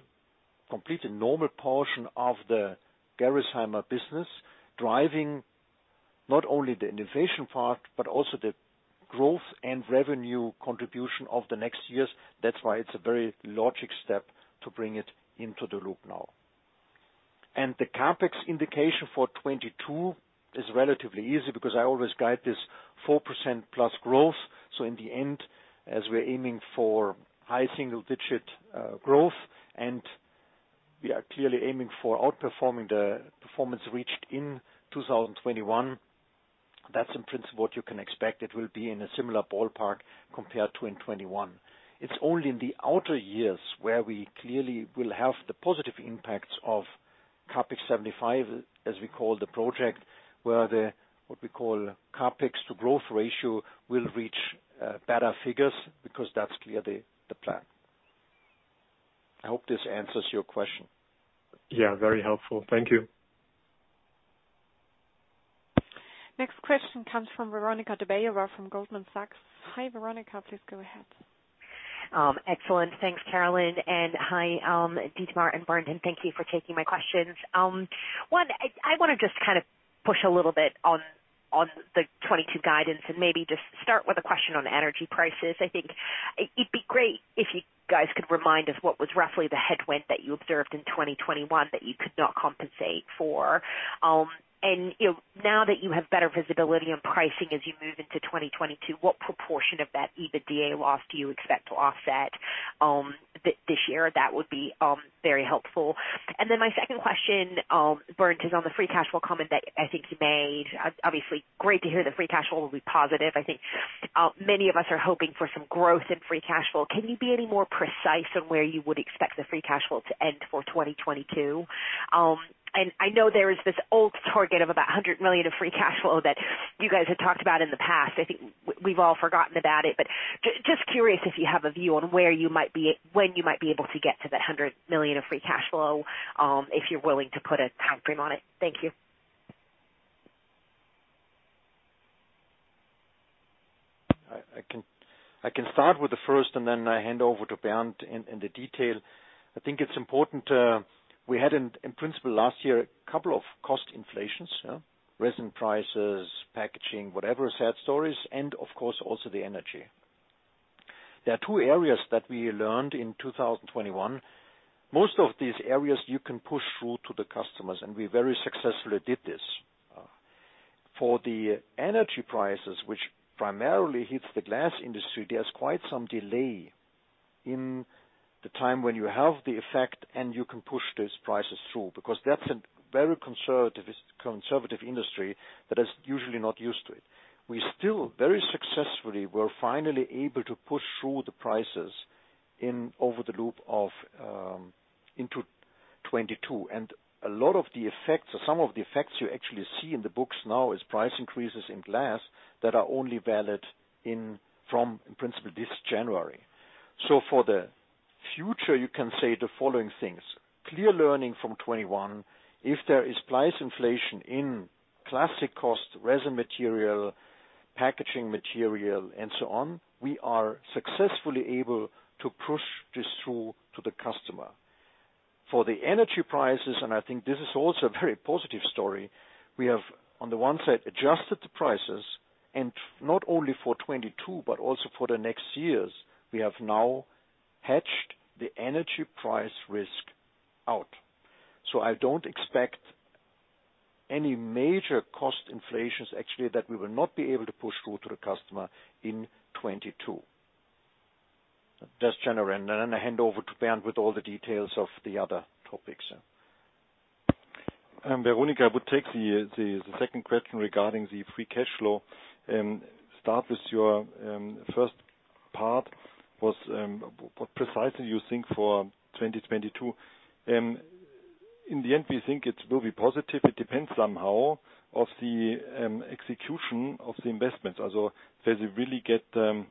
S2: complete and normal portion of the Gerresheimer business, driving not only the innovation part, but also the growth and revenue contribution of the next years. That's why it's a very logic step to bring it into the loop now. The CapEx indication for 2022 is relatively easy because I always guide this 4%+ growth. In the end, as we're aiming for high single-digit growth, and we are clearly aiming for outperforming the performance reached in 2021. That's in principle what you can expect. It will be in a similar ballpark compared to in 2021. It's only in the outer years where we clearly will have the positive impacts of CapEx 75, as we call the project, where what we call CapEx to growth ratio will reach better figures because that's clearly the plan. I hope this answers your question.
S4: Yeah, very helpful. Thank you.
S1: Next question comes from Veronika Dubajova from Goldman Sachs. Hi, Veronica, please go ahead.
S5: Excellent. Thanks, Carolin. Hi, Dietmar and Bernd, and thank you for taking my questions. One, I wanna just kind of push a little bit on the 2022 guidance and maybe just start with a question on energy prices. I think it'd be great if you guys could remind us what was roughly the headwind that you observed in 2021 that you could not compensate for. You know, now that you have better visibility on pricing as you move into 2022, what proportion of that EBITDA loss do you expect to offset this year? That would be very helpful. My second question, Bernd, is on the free cash flow comment that I think you made. Obviously great to hear the free cash flow will be positive. I think many of us are hoping for some growth in free cash flow. Can you be any more precise on where you would expect the free cash flow to end for 2022? I know there is this old target of about 100 million of free cash flow that you guys had talked about in the past. I think we've all forgotten about it, but just curious if you have a view on when you might be able to get to that 100 million of free cash flow, if you're willing to put a time frame on it. Thank you.
S2: I can start with the first and then I hand over to Bernd in the detail. I think it's important, we had in principle last year, a couple of cost inflations, yeah. Resin prices, packaging, whatever sad stories, and of course, also the energy. There are two areas that we learned in 2021. Most of these areas you can push through to the customers, and we very successfully did this. For the energy prices, which primarily hits the glass industry, there's quite some delay in the time when you have the effect and you can push those prices through, because that's a very conservative industry that is usually not used to it. We still very successfully were finally able to push through the prices over the course of into 2022. A lot of the effects or some of the effects you actually see in the books now is price increases in glass that are only valid in principle, this January. For the future, you can say the following things. Clear learning from 2021, if there is price inflation in classic cost, resin material, packaging material, and so on, we are successfully able to push this through to the customer. For the energy prices, and I think this is also a very positive story, we have, on the one side, adjusted the prices, and not only for 2022, but also for the next years. We have now hedged the energy price risk out. I don't expect any major cost inflations actually that we will not be able to push through to the customer in 2022. That's general. I hand over to Bernd with all the details of the other topics.
S3: Veronika, I would take the second question regarding the free cash flow and start with your first part, what precisely you think for 2022. In the end, we think it will be positive. It depends somehow of the execution of the investments as we really get our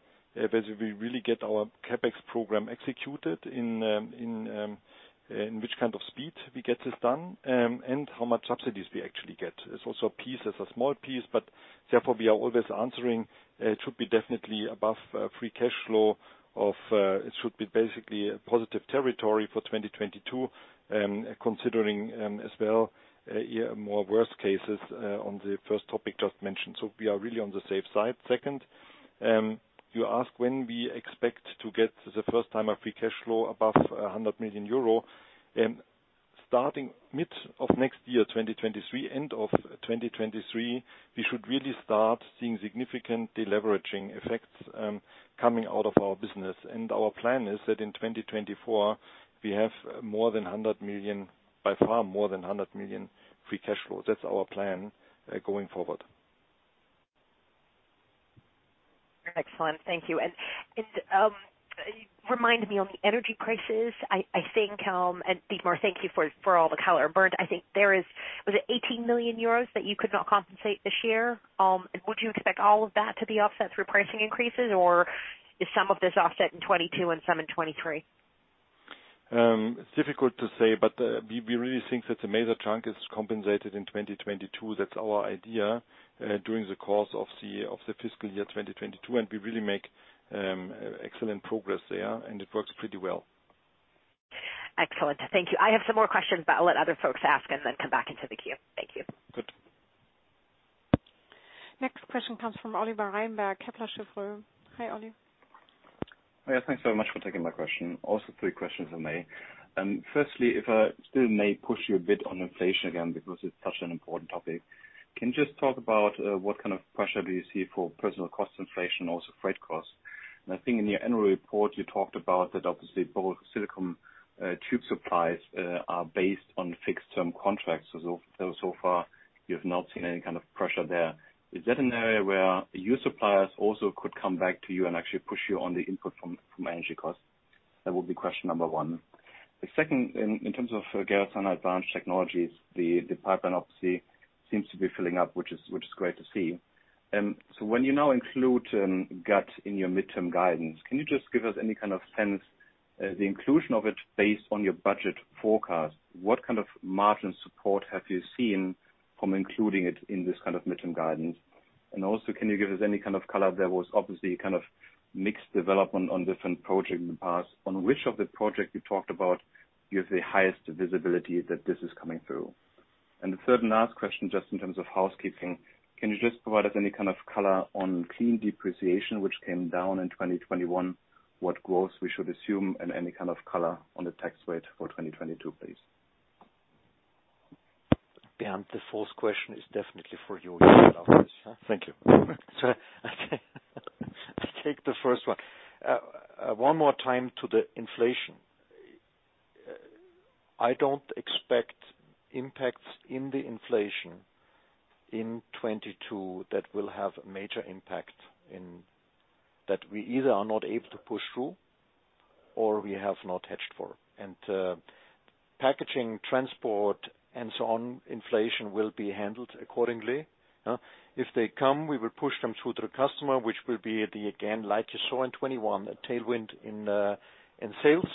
S3: CapEx program executed in which kind of speed we get this done and how much subsidies we actually get. It's also a piece, it's a small piece, but therefore we are always answering, it should be definitely above free cash flow of, it should be basically a positive territory for 2022, considering as well more worst cases on the first topic just mentioned. We are really on the safe side. Second, you ask when we expect to get the first time a free cash flow above 100 million euro. Starting mid of next year, 2023, end of 2023, we should really start seeing significant deleveraging effects coming out of our business. Our plan is that in 2024, we have more than 100 million, by far more than 100 million free cash flow. That's our plan going forward.
S5: Excellent. Thank you. Remind me on the energy prices. I think, Dietmar, thank you for all the color. Bernd, I think, was it 18 million euros that you could not compensate this year? Would you expect all of that to be offset through pricing increases, or is some of this offset in 2022 and some in 2023?
S3: It's difficult to say, but we really think that the major chunk is compensated in 2022. That's our idea during the course of the fiscal year 2022, and we really make excellent progress there, and it works pretty well.
S5: Excellent. Thank you. I have some more questions, but I'll let other folks ask and then come back into the queue. Thank you.
S3: Good.
S1: Next question comes from Oliver Reinberg, Kepler Cheuvreux. Hi, Ollie.
S6: Yes, thanks so much for taking my question. Also three questions for me. Firstly, if I still may push you a bit on inflation again because it's such an important topic, can you just talk about what kind of pressure do you see for personnel cost inflation, also freight costs? I think in your annual report, you talked about that obviously both silicone tube supplies are based on fixed-term contracts. So far you've not seen any kind of pressure there. Is that an area where your suppliers also could come back to you and actually push you on the input from energy costs? That would be question number one. The second, in terms of glass and Advanced Technologies, the pipeline obviously seems to be filling up, which is great to see. When you now include GAT in your mid-term guidance, can you just give us any kind of sense, the inclusion of it based on your budget forecast, what kind of margin support have you seen from including it in this kind of mid-term guidance? Can you give us any kind of color? There was obviously kind of mixed development on different projects in the past. On which of the projects you talked about you have the highest visibility that this is coming through. The third and last question, just in terms of housekeeping, can you just provide us any kind of color on clean depreciation, which came down in 2021, what growth we should assume, and any kind of color on the tax rate for 2022, please?
S2: Bernd, the fourth question is definitely for you.
S3: Thank you. I take the first one. One more time on the inflation. I don't expect impacts from the inflation in 2022 that will have a major impact, that we either are not able to push through or we have not hedged for. Packaging, transport, and so on, inflation will be handled accordingly. If they come, we will push them through to the customer, which will be, again, like you saw in 2021, a tailwind in sales.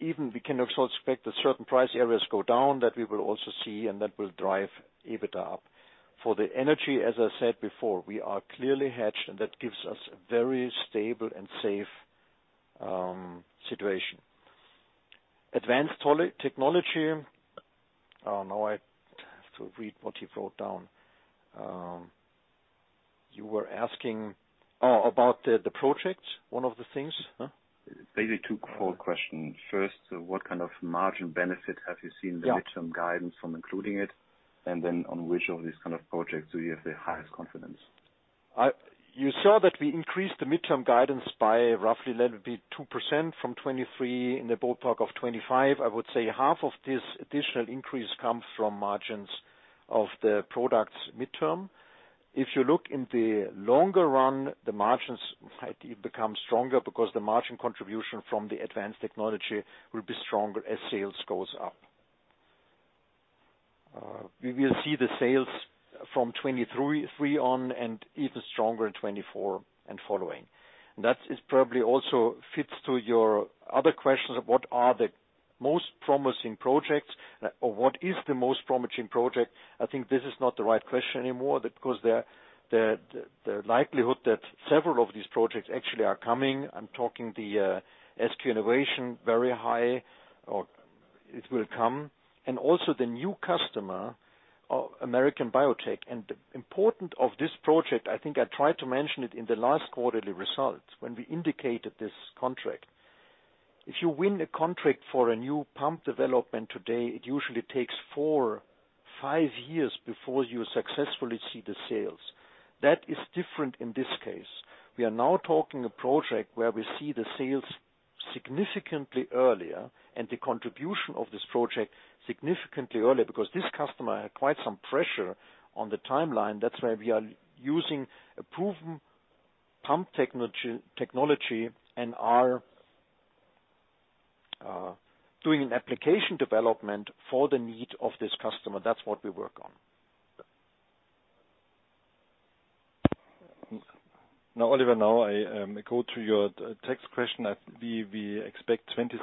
S3: Even if we can also expect that certain price areas go down, that we will also see, and that will drive EBITDA up. For the energy, as I said before, we are clearly hedged, and that gives us a very stable and safe situation. Advanced Technologies, now I have to read what you wrote down. You were asking about the projects, one of the things.
S6: Basically two follow-up questions. First, what kind of margin benefit have you seen-
S3: Yeah.
S6: In the mid-term guidance from including it? Then on which of these kind of projects do you have the highest confidence?
S2: You saw that we increased the mid-term guidance by roughly a little bit 2% from 2023 in the ballpark of 2025. I would say half of this additional increase comes from margins of the products mid-term. If you look in the longer run, the margins might even become stronger because the margin contribution from the Advanced Technologies will be stronger as sales goes up. We will see the sales from 2023 on and even stronger in 2024 and following. That is probably also fits to your other questions of what are the most promising projects or what is the most promising project. I think this is not the right question anymore because the likelihood that several of these projects actually are coming. I'm talking the SQ Innovation very high or it will come. Also the new customer, American Biotech. An important part of this project, I think I tried to mention it in the last quarterly results when we indicated this contract. If you win a contract for a new pump development today, it usually takes four, five years before you successfully see the sales. That is different in this case. We are now talking a project where we see the sales significantly earlier and the contribution of this project significantly earlier, because this customer had quite some pressure on the timeline. That's why we are using a proven pump technology and are doing an application development for the need of this customer. That's what we work on.
S3: Now, Oliver, go to your tax question. We expect 27%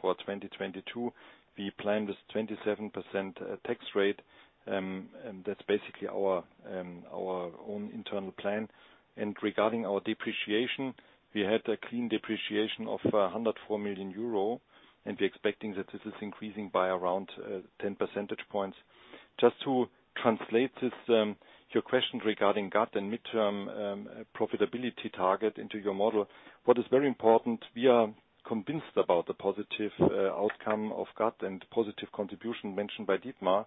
S3: for 2022. We plan this 27% tax rate, and that's basically our own internal plan. Regarding our depreciation, we had a clean depreciation of 104 million euro, and we're expecting that this is increasing by around 10 percentage points. Just to translate this, your question regarding GAT and mid-term profitability target into your model, what is very important, we are convinced about the positive outcome of GAT and positive contribution mentioned by Dietmar.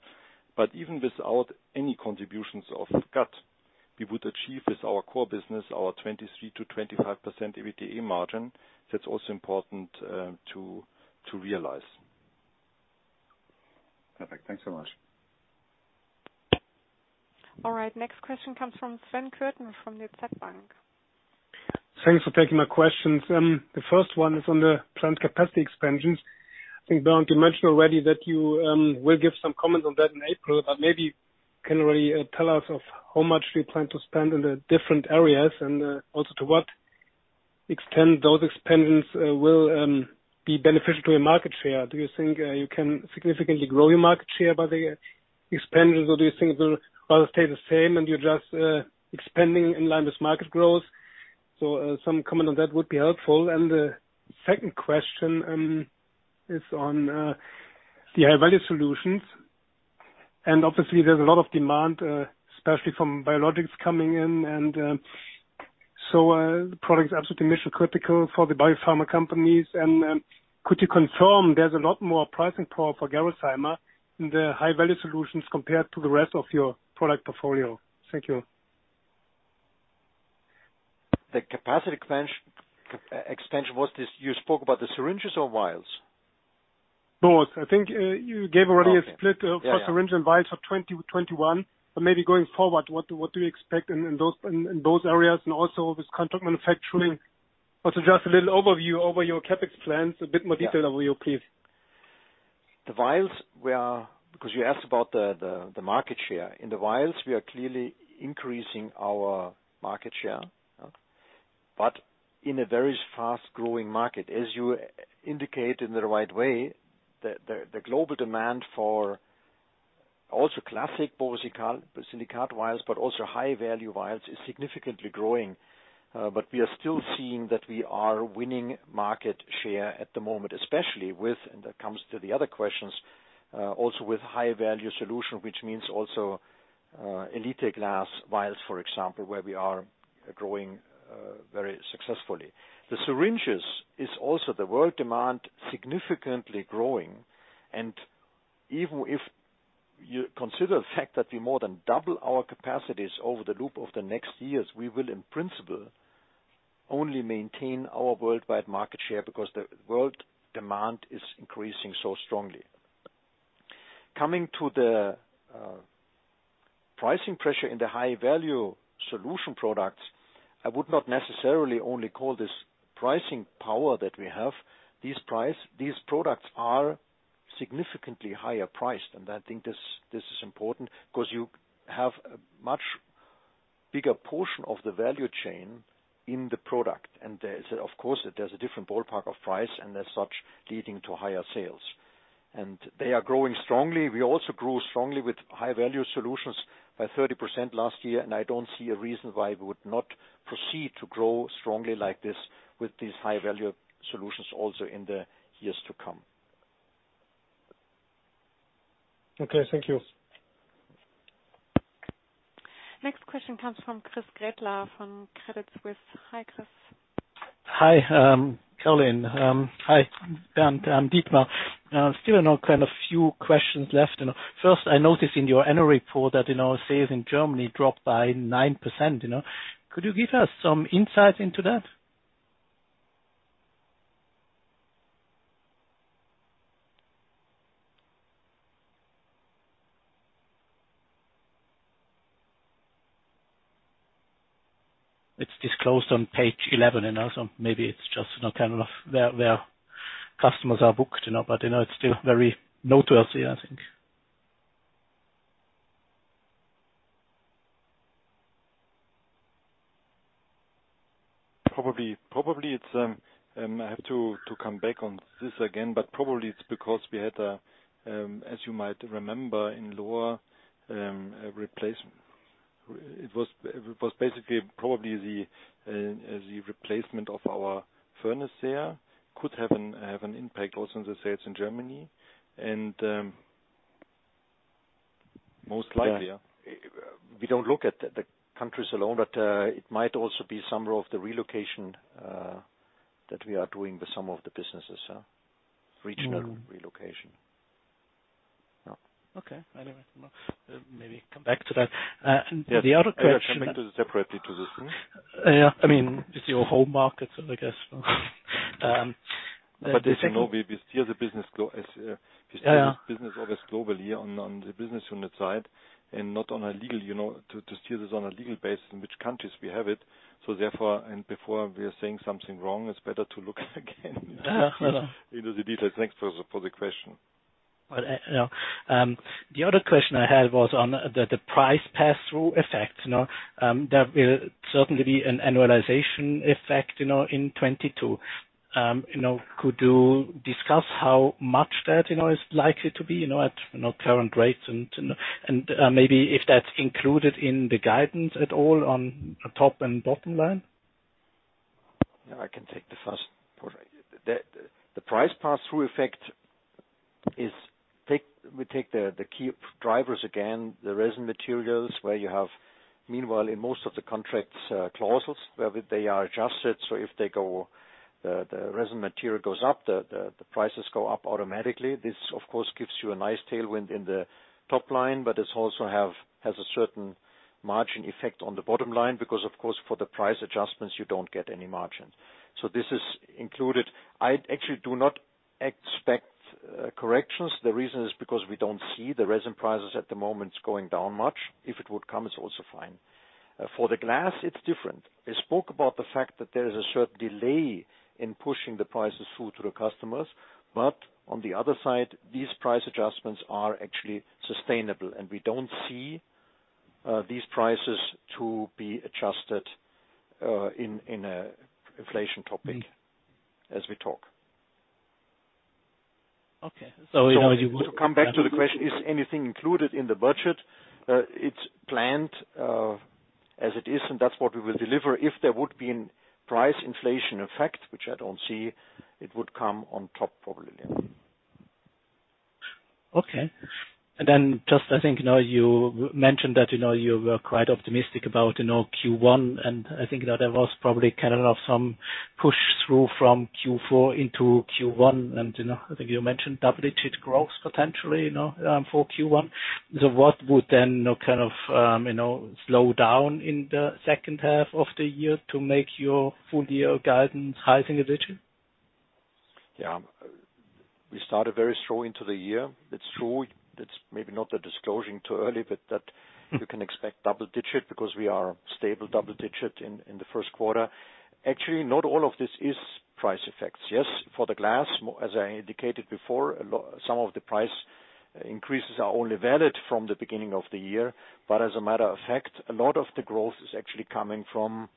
S3: Even without any contributions of GAT, we would achieve with our core business our 23%-25% EBITDA margin. That's also important to realize.
S6: Perfect. Thanks so much.
S1: All right, next question comes from Sven Kürten from DZ Bank.
S7: Thanks for taking my questions. The first one is on the planned capacity expansions. I think, Bernd, you mentioned already that you will give some comments on that in April, but maybe you can really tell us of how much you plan to spend in the different areas and also to what extent those expansions will be beneficial to your market share. Do you think you can significantly grow your market share by the expansions, or do you think it will rather stay the same and you're just expanding in line with market growth? Some comment on that would be helpful. The second question is on the high-value solutions. Obviously there's a lot of demand, especially from biologics coming in and the product is absolutely mission critical for the biopharma companies. Could you confirm there's a lot more pricing power for Gerresheimer in the high-value solutions compared to the rest of your product portfolio? Thank you.
S2: The capacity expansion was this. You spoke about the syringes or vials?
S7: Both. I think you gave already a split-.
S2: Okay. Yeah, yeah.
S7: For syringes and vials for 2021. Maybe going forward, what do you expect in those areas and also with contract manufacturing? Also just a little overview of your CapEx plans, a bit more detail.
S2: Yeah.
S7: Over your P.
S2: Because you asked about the market share. In the vials, we are clearly increasing our market share, but in a very fast-growing market. As you indicated in the right way, the global demand for also classic borosilicate vials, but also high-value vials is significantly growing. But we are still seeing that we are winning market share at the moment, especially with, and that comes to the other questions, also with high-value solution, which means also Elite Glass vials, for example, where we are growing very successfully. The world demand for syringes is also significantly growing. Even if you consider the fact that we more than double our capacities over the course of the next years, we will in principle only maintain our worldwide market share because the world demand is increasing so strongly. Coming to the pricing pressure in the high-value solution products, I would not necessarily only call this pricing power that we have. These products are significantly higher priced, and I think this is important because you have a much bigger portion of the value chain in the product. There's, of course, a different ballpark of price, and as such, leading to higher sales. They are growing strongly. We also grew strongly with high-value solutions by 30% last year, and I don't see a reason why we would not proceed to grow strongly like this with these high-value solutions also in the years to come.
S7: Okay, thank you.
S1: Next question comes from Chris Gretler from Credit Suisse. Hi, Chris.
S8: Hi, Carolin. Hi, Bernd and Dietmar. Now, still kind of few questions left. You know, first, I noticed in your annual report that, you know, sales in Germany dropped by 9%, you know. Could you give us some insight into that? It's disclosed on page 11, you know, so maybe it's just, you know, kind of where customers are booked, you know. You know, it's still very noteworthy, I think.
S3: I have to come back on this again, but probably it's because we had a replacement, as you might remember. It was basically probably the replacement of our furnace there could have an impact also on the sales in Germany.
S8: Most likely, yeah.
S3: We don't look at the countries alone, but it might also be some of the relocation that we are doing with some of the businesses. Regional relocation.
S8: Okay. I don't know. Maybe come back to that. The other question.
S3: Separately to this, mm-hmm.
S8: Yeah. I mean. It's your home market, I guess. The second-.
S3: As you know, we steer the business.
S8: Yeah, yeah.
S3: We steer the business always globally on the business unit side and not on a legal basis, you know, to steer this on a legal basis in which countries we have it. Therefore, before we are saying something wrong, it's better to look again into the details. Thanks for the question.
S8: Well, you know, the other question I had was on the price pass-through effect, you know. You know, could you discuss how much that, you know, is likely to be, you know, at current rates and maybe if that's included in the guidance at all on top and bottom line?
S2: Yeah, I can take the first part. The price pass-through effect is. We take the key drivers again, the resin materials, where you have meanwhile in most of the contracts, clauses, where they are adjusted. So if they go, the resin material goes up, the prices go up automatically. This, of course, gives you a nice tailwind in the top line, but this also has a certain margin effect on the bottom line because, of course, for the price adjustments, you don't get any margin. So this is included. I actually do not expect corrections. The reason is because we don't see the resin prices at the moment going down much. If it would come, it's also fine. For the glass, it's different. I spoke about the fact that there is a short delay in pushing the prices through to the customers. On the other side, these price adjustments are actually sustainable, and we don't see these prices to be adjusted in an inflation topic as we talk.
S8: Okay. You know.
S3: To come back to the question, is anything included in the budget? It's planned, as it is, and that's what we will deliver. If there would be a price inflation effect, which I don't see, it would come on top probably.
S8: Okay. Just I think, you know, you mentioned that, you know, you were quite optimistic about, you know, Q1, and I think that there was probably kind of some push-through from Q4 into Q1. You know, I think you mentioned double-digit growth potentially, you know, for Q1. What would then kind of, you know, slow down in the second half of the year to make your full year guidance high single digit?
S2: Yeah. We started very strong into the year. It's true. It's maybe disclosing too early, but you can expect double-digit because we are stable double-digit in the first quarter. Actually, not all of this is price effects. Yes, for the glass, as I indicated before, some of the price increases are only valid from the beginning of the year. As a matter of fact, a lot of the growth is actually coming from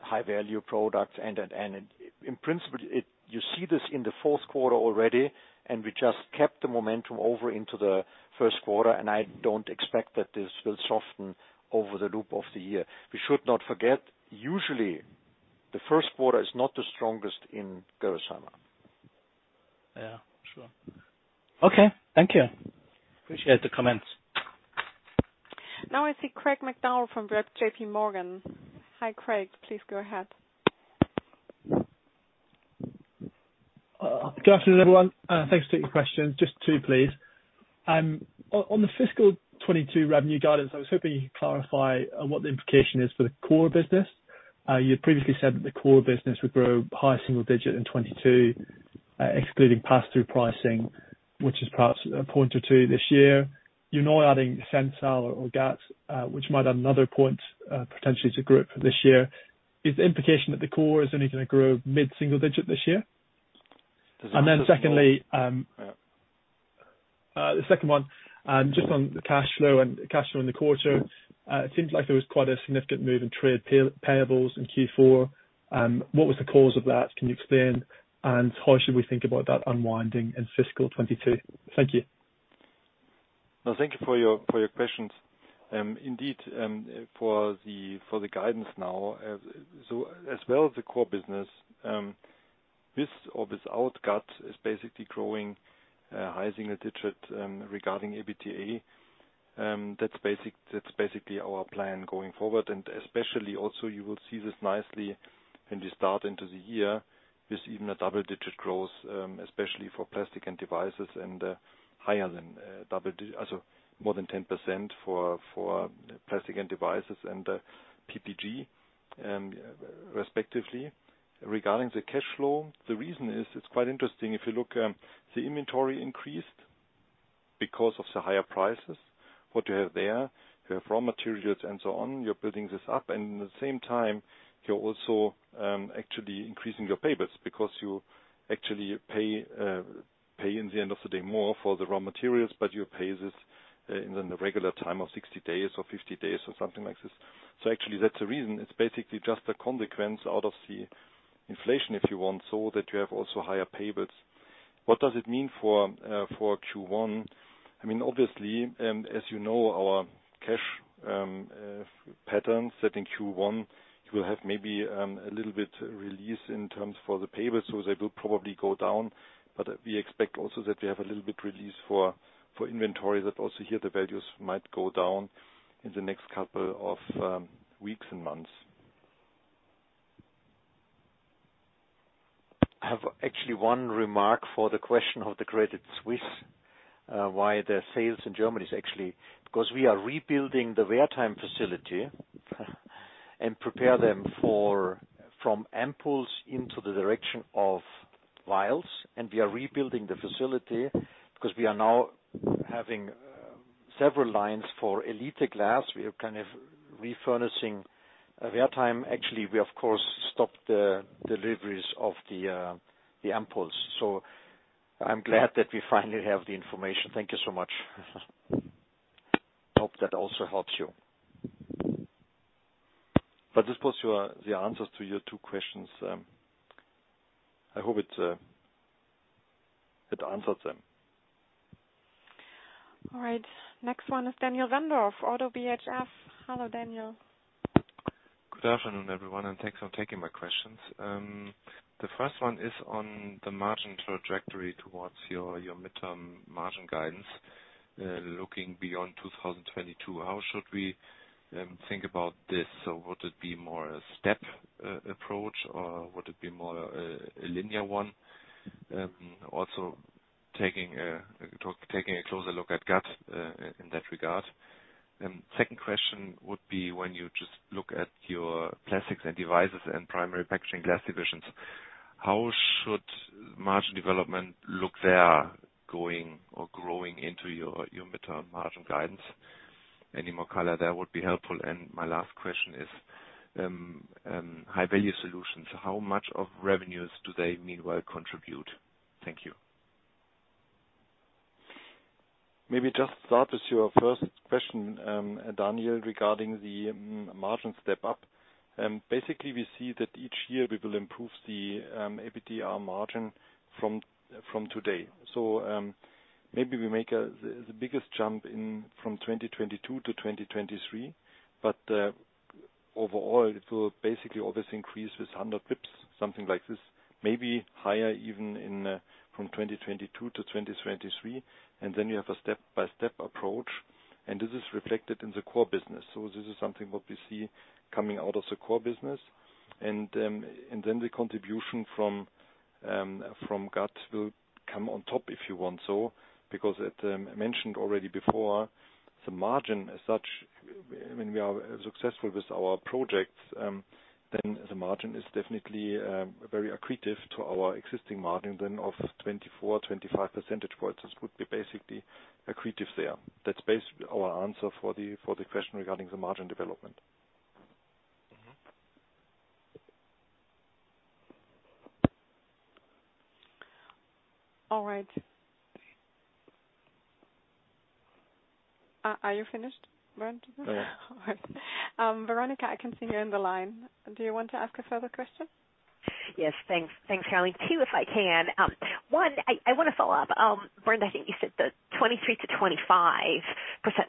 S2: high-value products. And in principle, you see this in the fourth quarter already, and we just kept the momentum over into the first quarter, and I don't expect that this will soften over the course of the year. We should not forget, usually the first quarter is not the strongest in Gerresheimer.
S8: Yeah, sure. Okay. Thank you. Appreciate the comments.
S1: Now I see Craig McDowell from JP Morgan. Hi, Craig. Please go ahead.
S9: Good afternoon, everyone. Thanks for taking the questions. Just two, please. On the fiscal 2022 revenue guidance, I was hoping you could clarify what the implication is for the core business. You had previously said that the core business would grow high single-digit in 2022, excluding pass-through pricing, which is perhaps 1 point or 2 points this year. You're not adding Sensile or GAT, which might add another point, potentially to group this year. Is the implication that the core is only gonna grow mid-single-digit this year? Secondly, the second one, just on the cash flow and cash flow in the quarter, it seems like there was quite a significant move in trade payables in Q4. What was the cause of that? Can you explain? How should we think about that unwinding in fiscal 2022? Thank you.
S3: Well, thank you for your questions. Indeed, for the guidance now, so as well as the core business, with or without GAT is basically growing, high single-digit, regarding EBITDA. That's basically our plan going forward. Especially also you will see this nicely when we start into the year with even a double-digit growth, especially for Plastics & Devices and higher than double-digit, so more than 10% for Plastics & Devices and PPG, respectively. Regarding the cash flow, the reason is, it's quite interesting. If you look, the inventory increased because of the higher prices, what you have there. You have raw materials and so on. You're building this up, and at the same time, you're also actually increasing your payables because you actually pay in the end of the day more for the raw materials, but you pay this in the regular time of 60 days or 50 days or something like this. Actually, that's the reason. It's basically just a consequence out of the inflation, if you want, so that you have also higher payables. What does it mean for Q1? I mean, obviously, as you know, our cash pattern is set in Q1. You will have maybe a little bit relief in terms of the payables, so they will probably go down. We expect also that we have a little bit relief for inventory, that also here the values might go down in the next couple of weeks and months.
S2: I have actually one remark for the question of the Credit Suisse, why the sales in Germany is actually because we are rebuilding the Wertheim facility and prepare them from ampoules into the direction of vials. We are rebuilding the facility 'cause we are now having several lines for Elite glass. We are kind of refurnishing Wertheim. Actually, we, of course, stopped the deliveries of the ampoules. I'm glad that we finally have the information. Thank you so much. Hope that also helps you. I suppose the answers to your two questions, I hope it answered them.
S1: All right, next one is Daniel Wendorff, ODDO BHF. Hello, Daniel.
S10: Good afternoon, everyone, and thanks for taking my questions. The first one is on the margin trajectory towards your mid-term margin guidance, looking beyond 2022. How should we think about this? Would it be more a step approach, or would it be more a linear one? Also taking a taking a closer look at GAT in that regard. Second question would be when you just look at your Plastics & Devices and Primary Packaging Glass divisions, how should margin development look there going or growing into your mid-term margin guidance? Any more color there would be helpful. My last question is high-value solutions, how much of revenues do they meanwhile contribute? Thank you.
S3: Maybe just start with your first question, Daniel, regarding the margin step-up. Basically, we see that each year we will improve the EBITDA margin from today. Maybe we make the biggest jump from 2022 to 2023. Overall, it will basically always increase with 100 basis points, something like this. Maybe higher even from 2022 to 2023, and then you have a step-by-step approach, and this is reflected in the core business. This is something what we see coming out of the core business. Then the contribution from GAT will come on top, if you want so. Because, as I mentioned already before, the margin as such, when we are successful with our projects, then the margin is definitely very accretive to our existing margin of 24%-25%. This would be basically accretive there. That's our answer for the question regarding the margin development.
S10: Mm-hmm.
S1: All right. Are you finished, Bernd?
S3: Yeah.
S1: All right. Veronika, I can see you're on the line. Do you want to ask a further question?
S5: Yes. Thanks, thanks, Carolin. Two, if I can. One, I wanna follow up. Bernd, I think you said the 23%-25%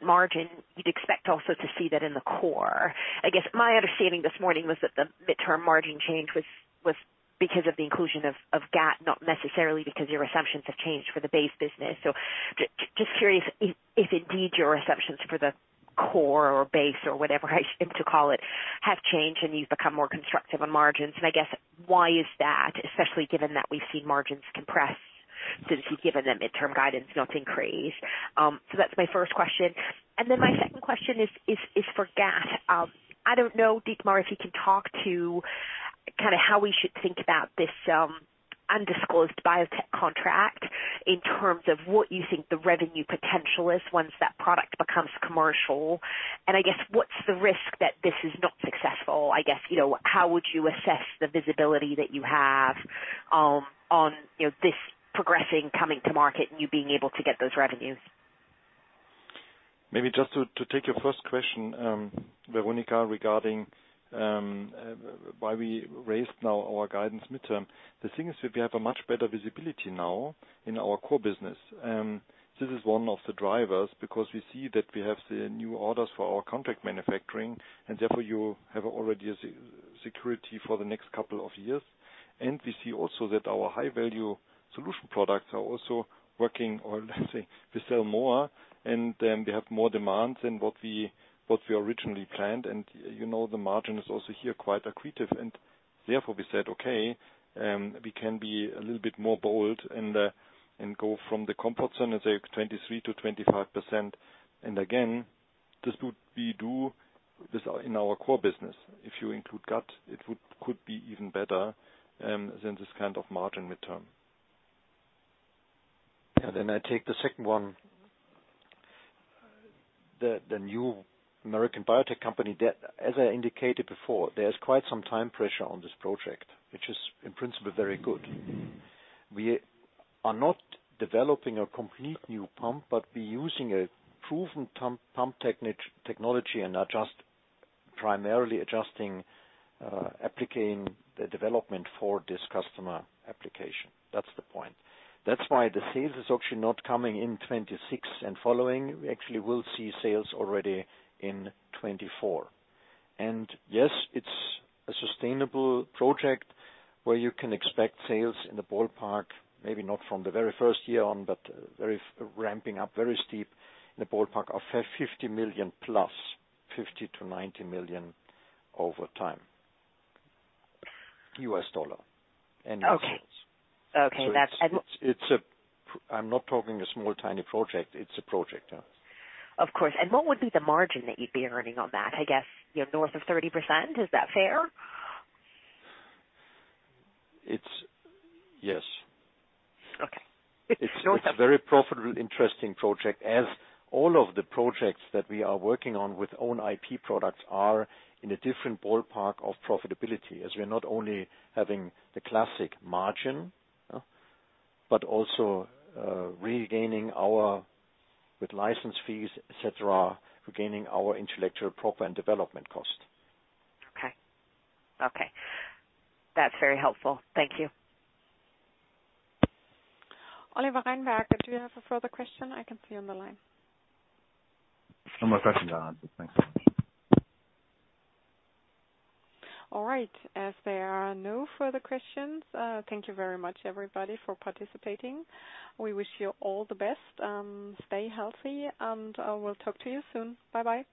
S5: margin, you'd expect also to see that in the core. I guess my understanding this morning was that the mid-term margin change was because of the inclusion of GAT, not necessarily because your assumptions have changed for the base business. Just curious if indeed your assumptions for the core or base or whatever I am to call it, have changed and you've become more constructive on margins. I guess why is that, especially given that we've seen margins compress since you've given the mid-term guidance, not increase? That's my first question. Then my second question is for GAT. I don't know, Dietmar, if you can talk to kinda how we should think about this, undisclosed biotech contract in terms of what you think the revenue potential is once that product becomes commercial. I guess what's the risk that this is not successful? I guess, you know, how would you assess the visibility that you have on, you know, this progressing coming to market and you being able to get those revenues?
S3: Maybe just to take your first question, Veronika, regarding why we raised now our guidance mid-term. The thing is that we have a much better visibility now in our core business. This is one of the drivers, because we see that we have the new orders for our contract manufacturing, and therefore you have already a security for the next couple of years. We see also that our high-value solution products are also working or, let's say we sell more, and we have more demands than what we originally planned. You know, the margin is also here quite accretive. Therefore we said, okay, we can be a little bit more bold and go from the comfort zone and say 23%-25%. Again, we do this in our core business. If you include GAT, it could be even better than this kind of margin mid-term. I take the second one. The new American biotech company that, as I indicated before, there's quite some time pressure on this project, which is in principle very good. We are not developing a complete new pump, but we're using a proven pump technology and primarily adjusting, applying the development for this customer application. That's the point. That's why the sales is actually not coming in 2026 and following. We actually will see sales already in 2024. Yes, it's a sustainable project where you can expect sales in the ballpark, maybe not from the very first year on, but ramping up very steep in the ballpark of $50 million+, $50 million-$90 million over time, U.S. dollar and cents.
S5: Okay.
S3: I'm not talking about a small, tiny project. It's a project, yeah.
S5: Of course. What would be the margin that you'd be earning on that? I guess, you know, north of 30%, is that fair?
S3: Yes.
S5: Okay.
S3: It's a very profitable, interesting project, as all of the projects that we are working on with own IP products are in a different ballpark of profitability, as we are not only having the classic margin, but also, with license fees, et cetera, regaining our intellectual property and development cost.
S5: Okay. That's very helpful. Thank you.
S1: Oliver Reinberg, do you have a further question? I can see you on the line.
S6: No more questions, thanks.
S1: All right. As there are no further questions, thank you very much everybody, for participating. We wish you all the best. Stay healthy, and we'll talk to you soon. Bye-bye.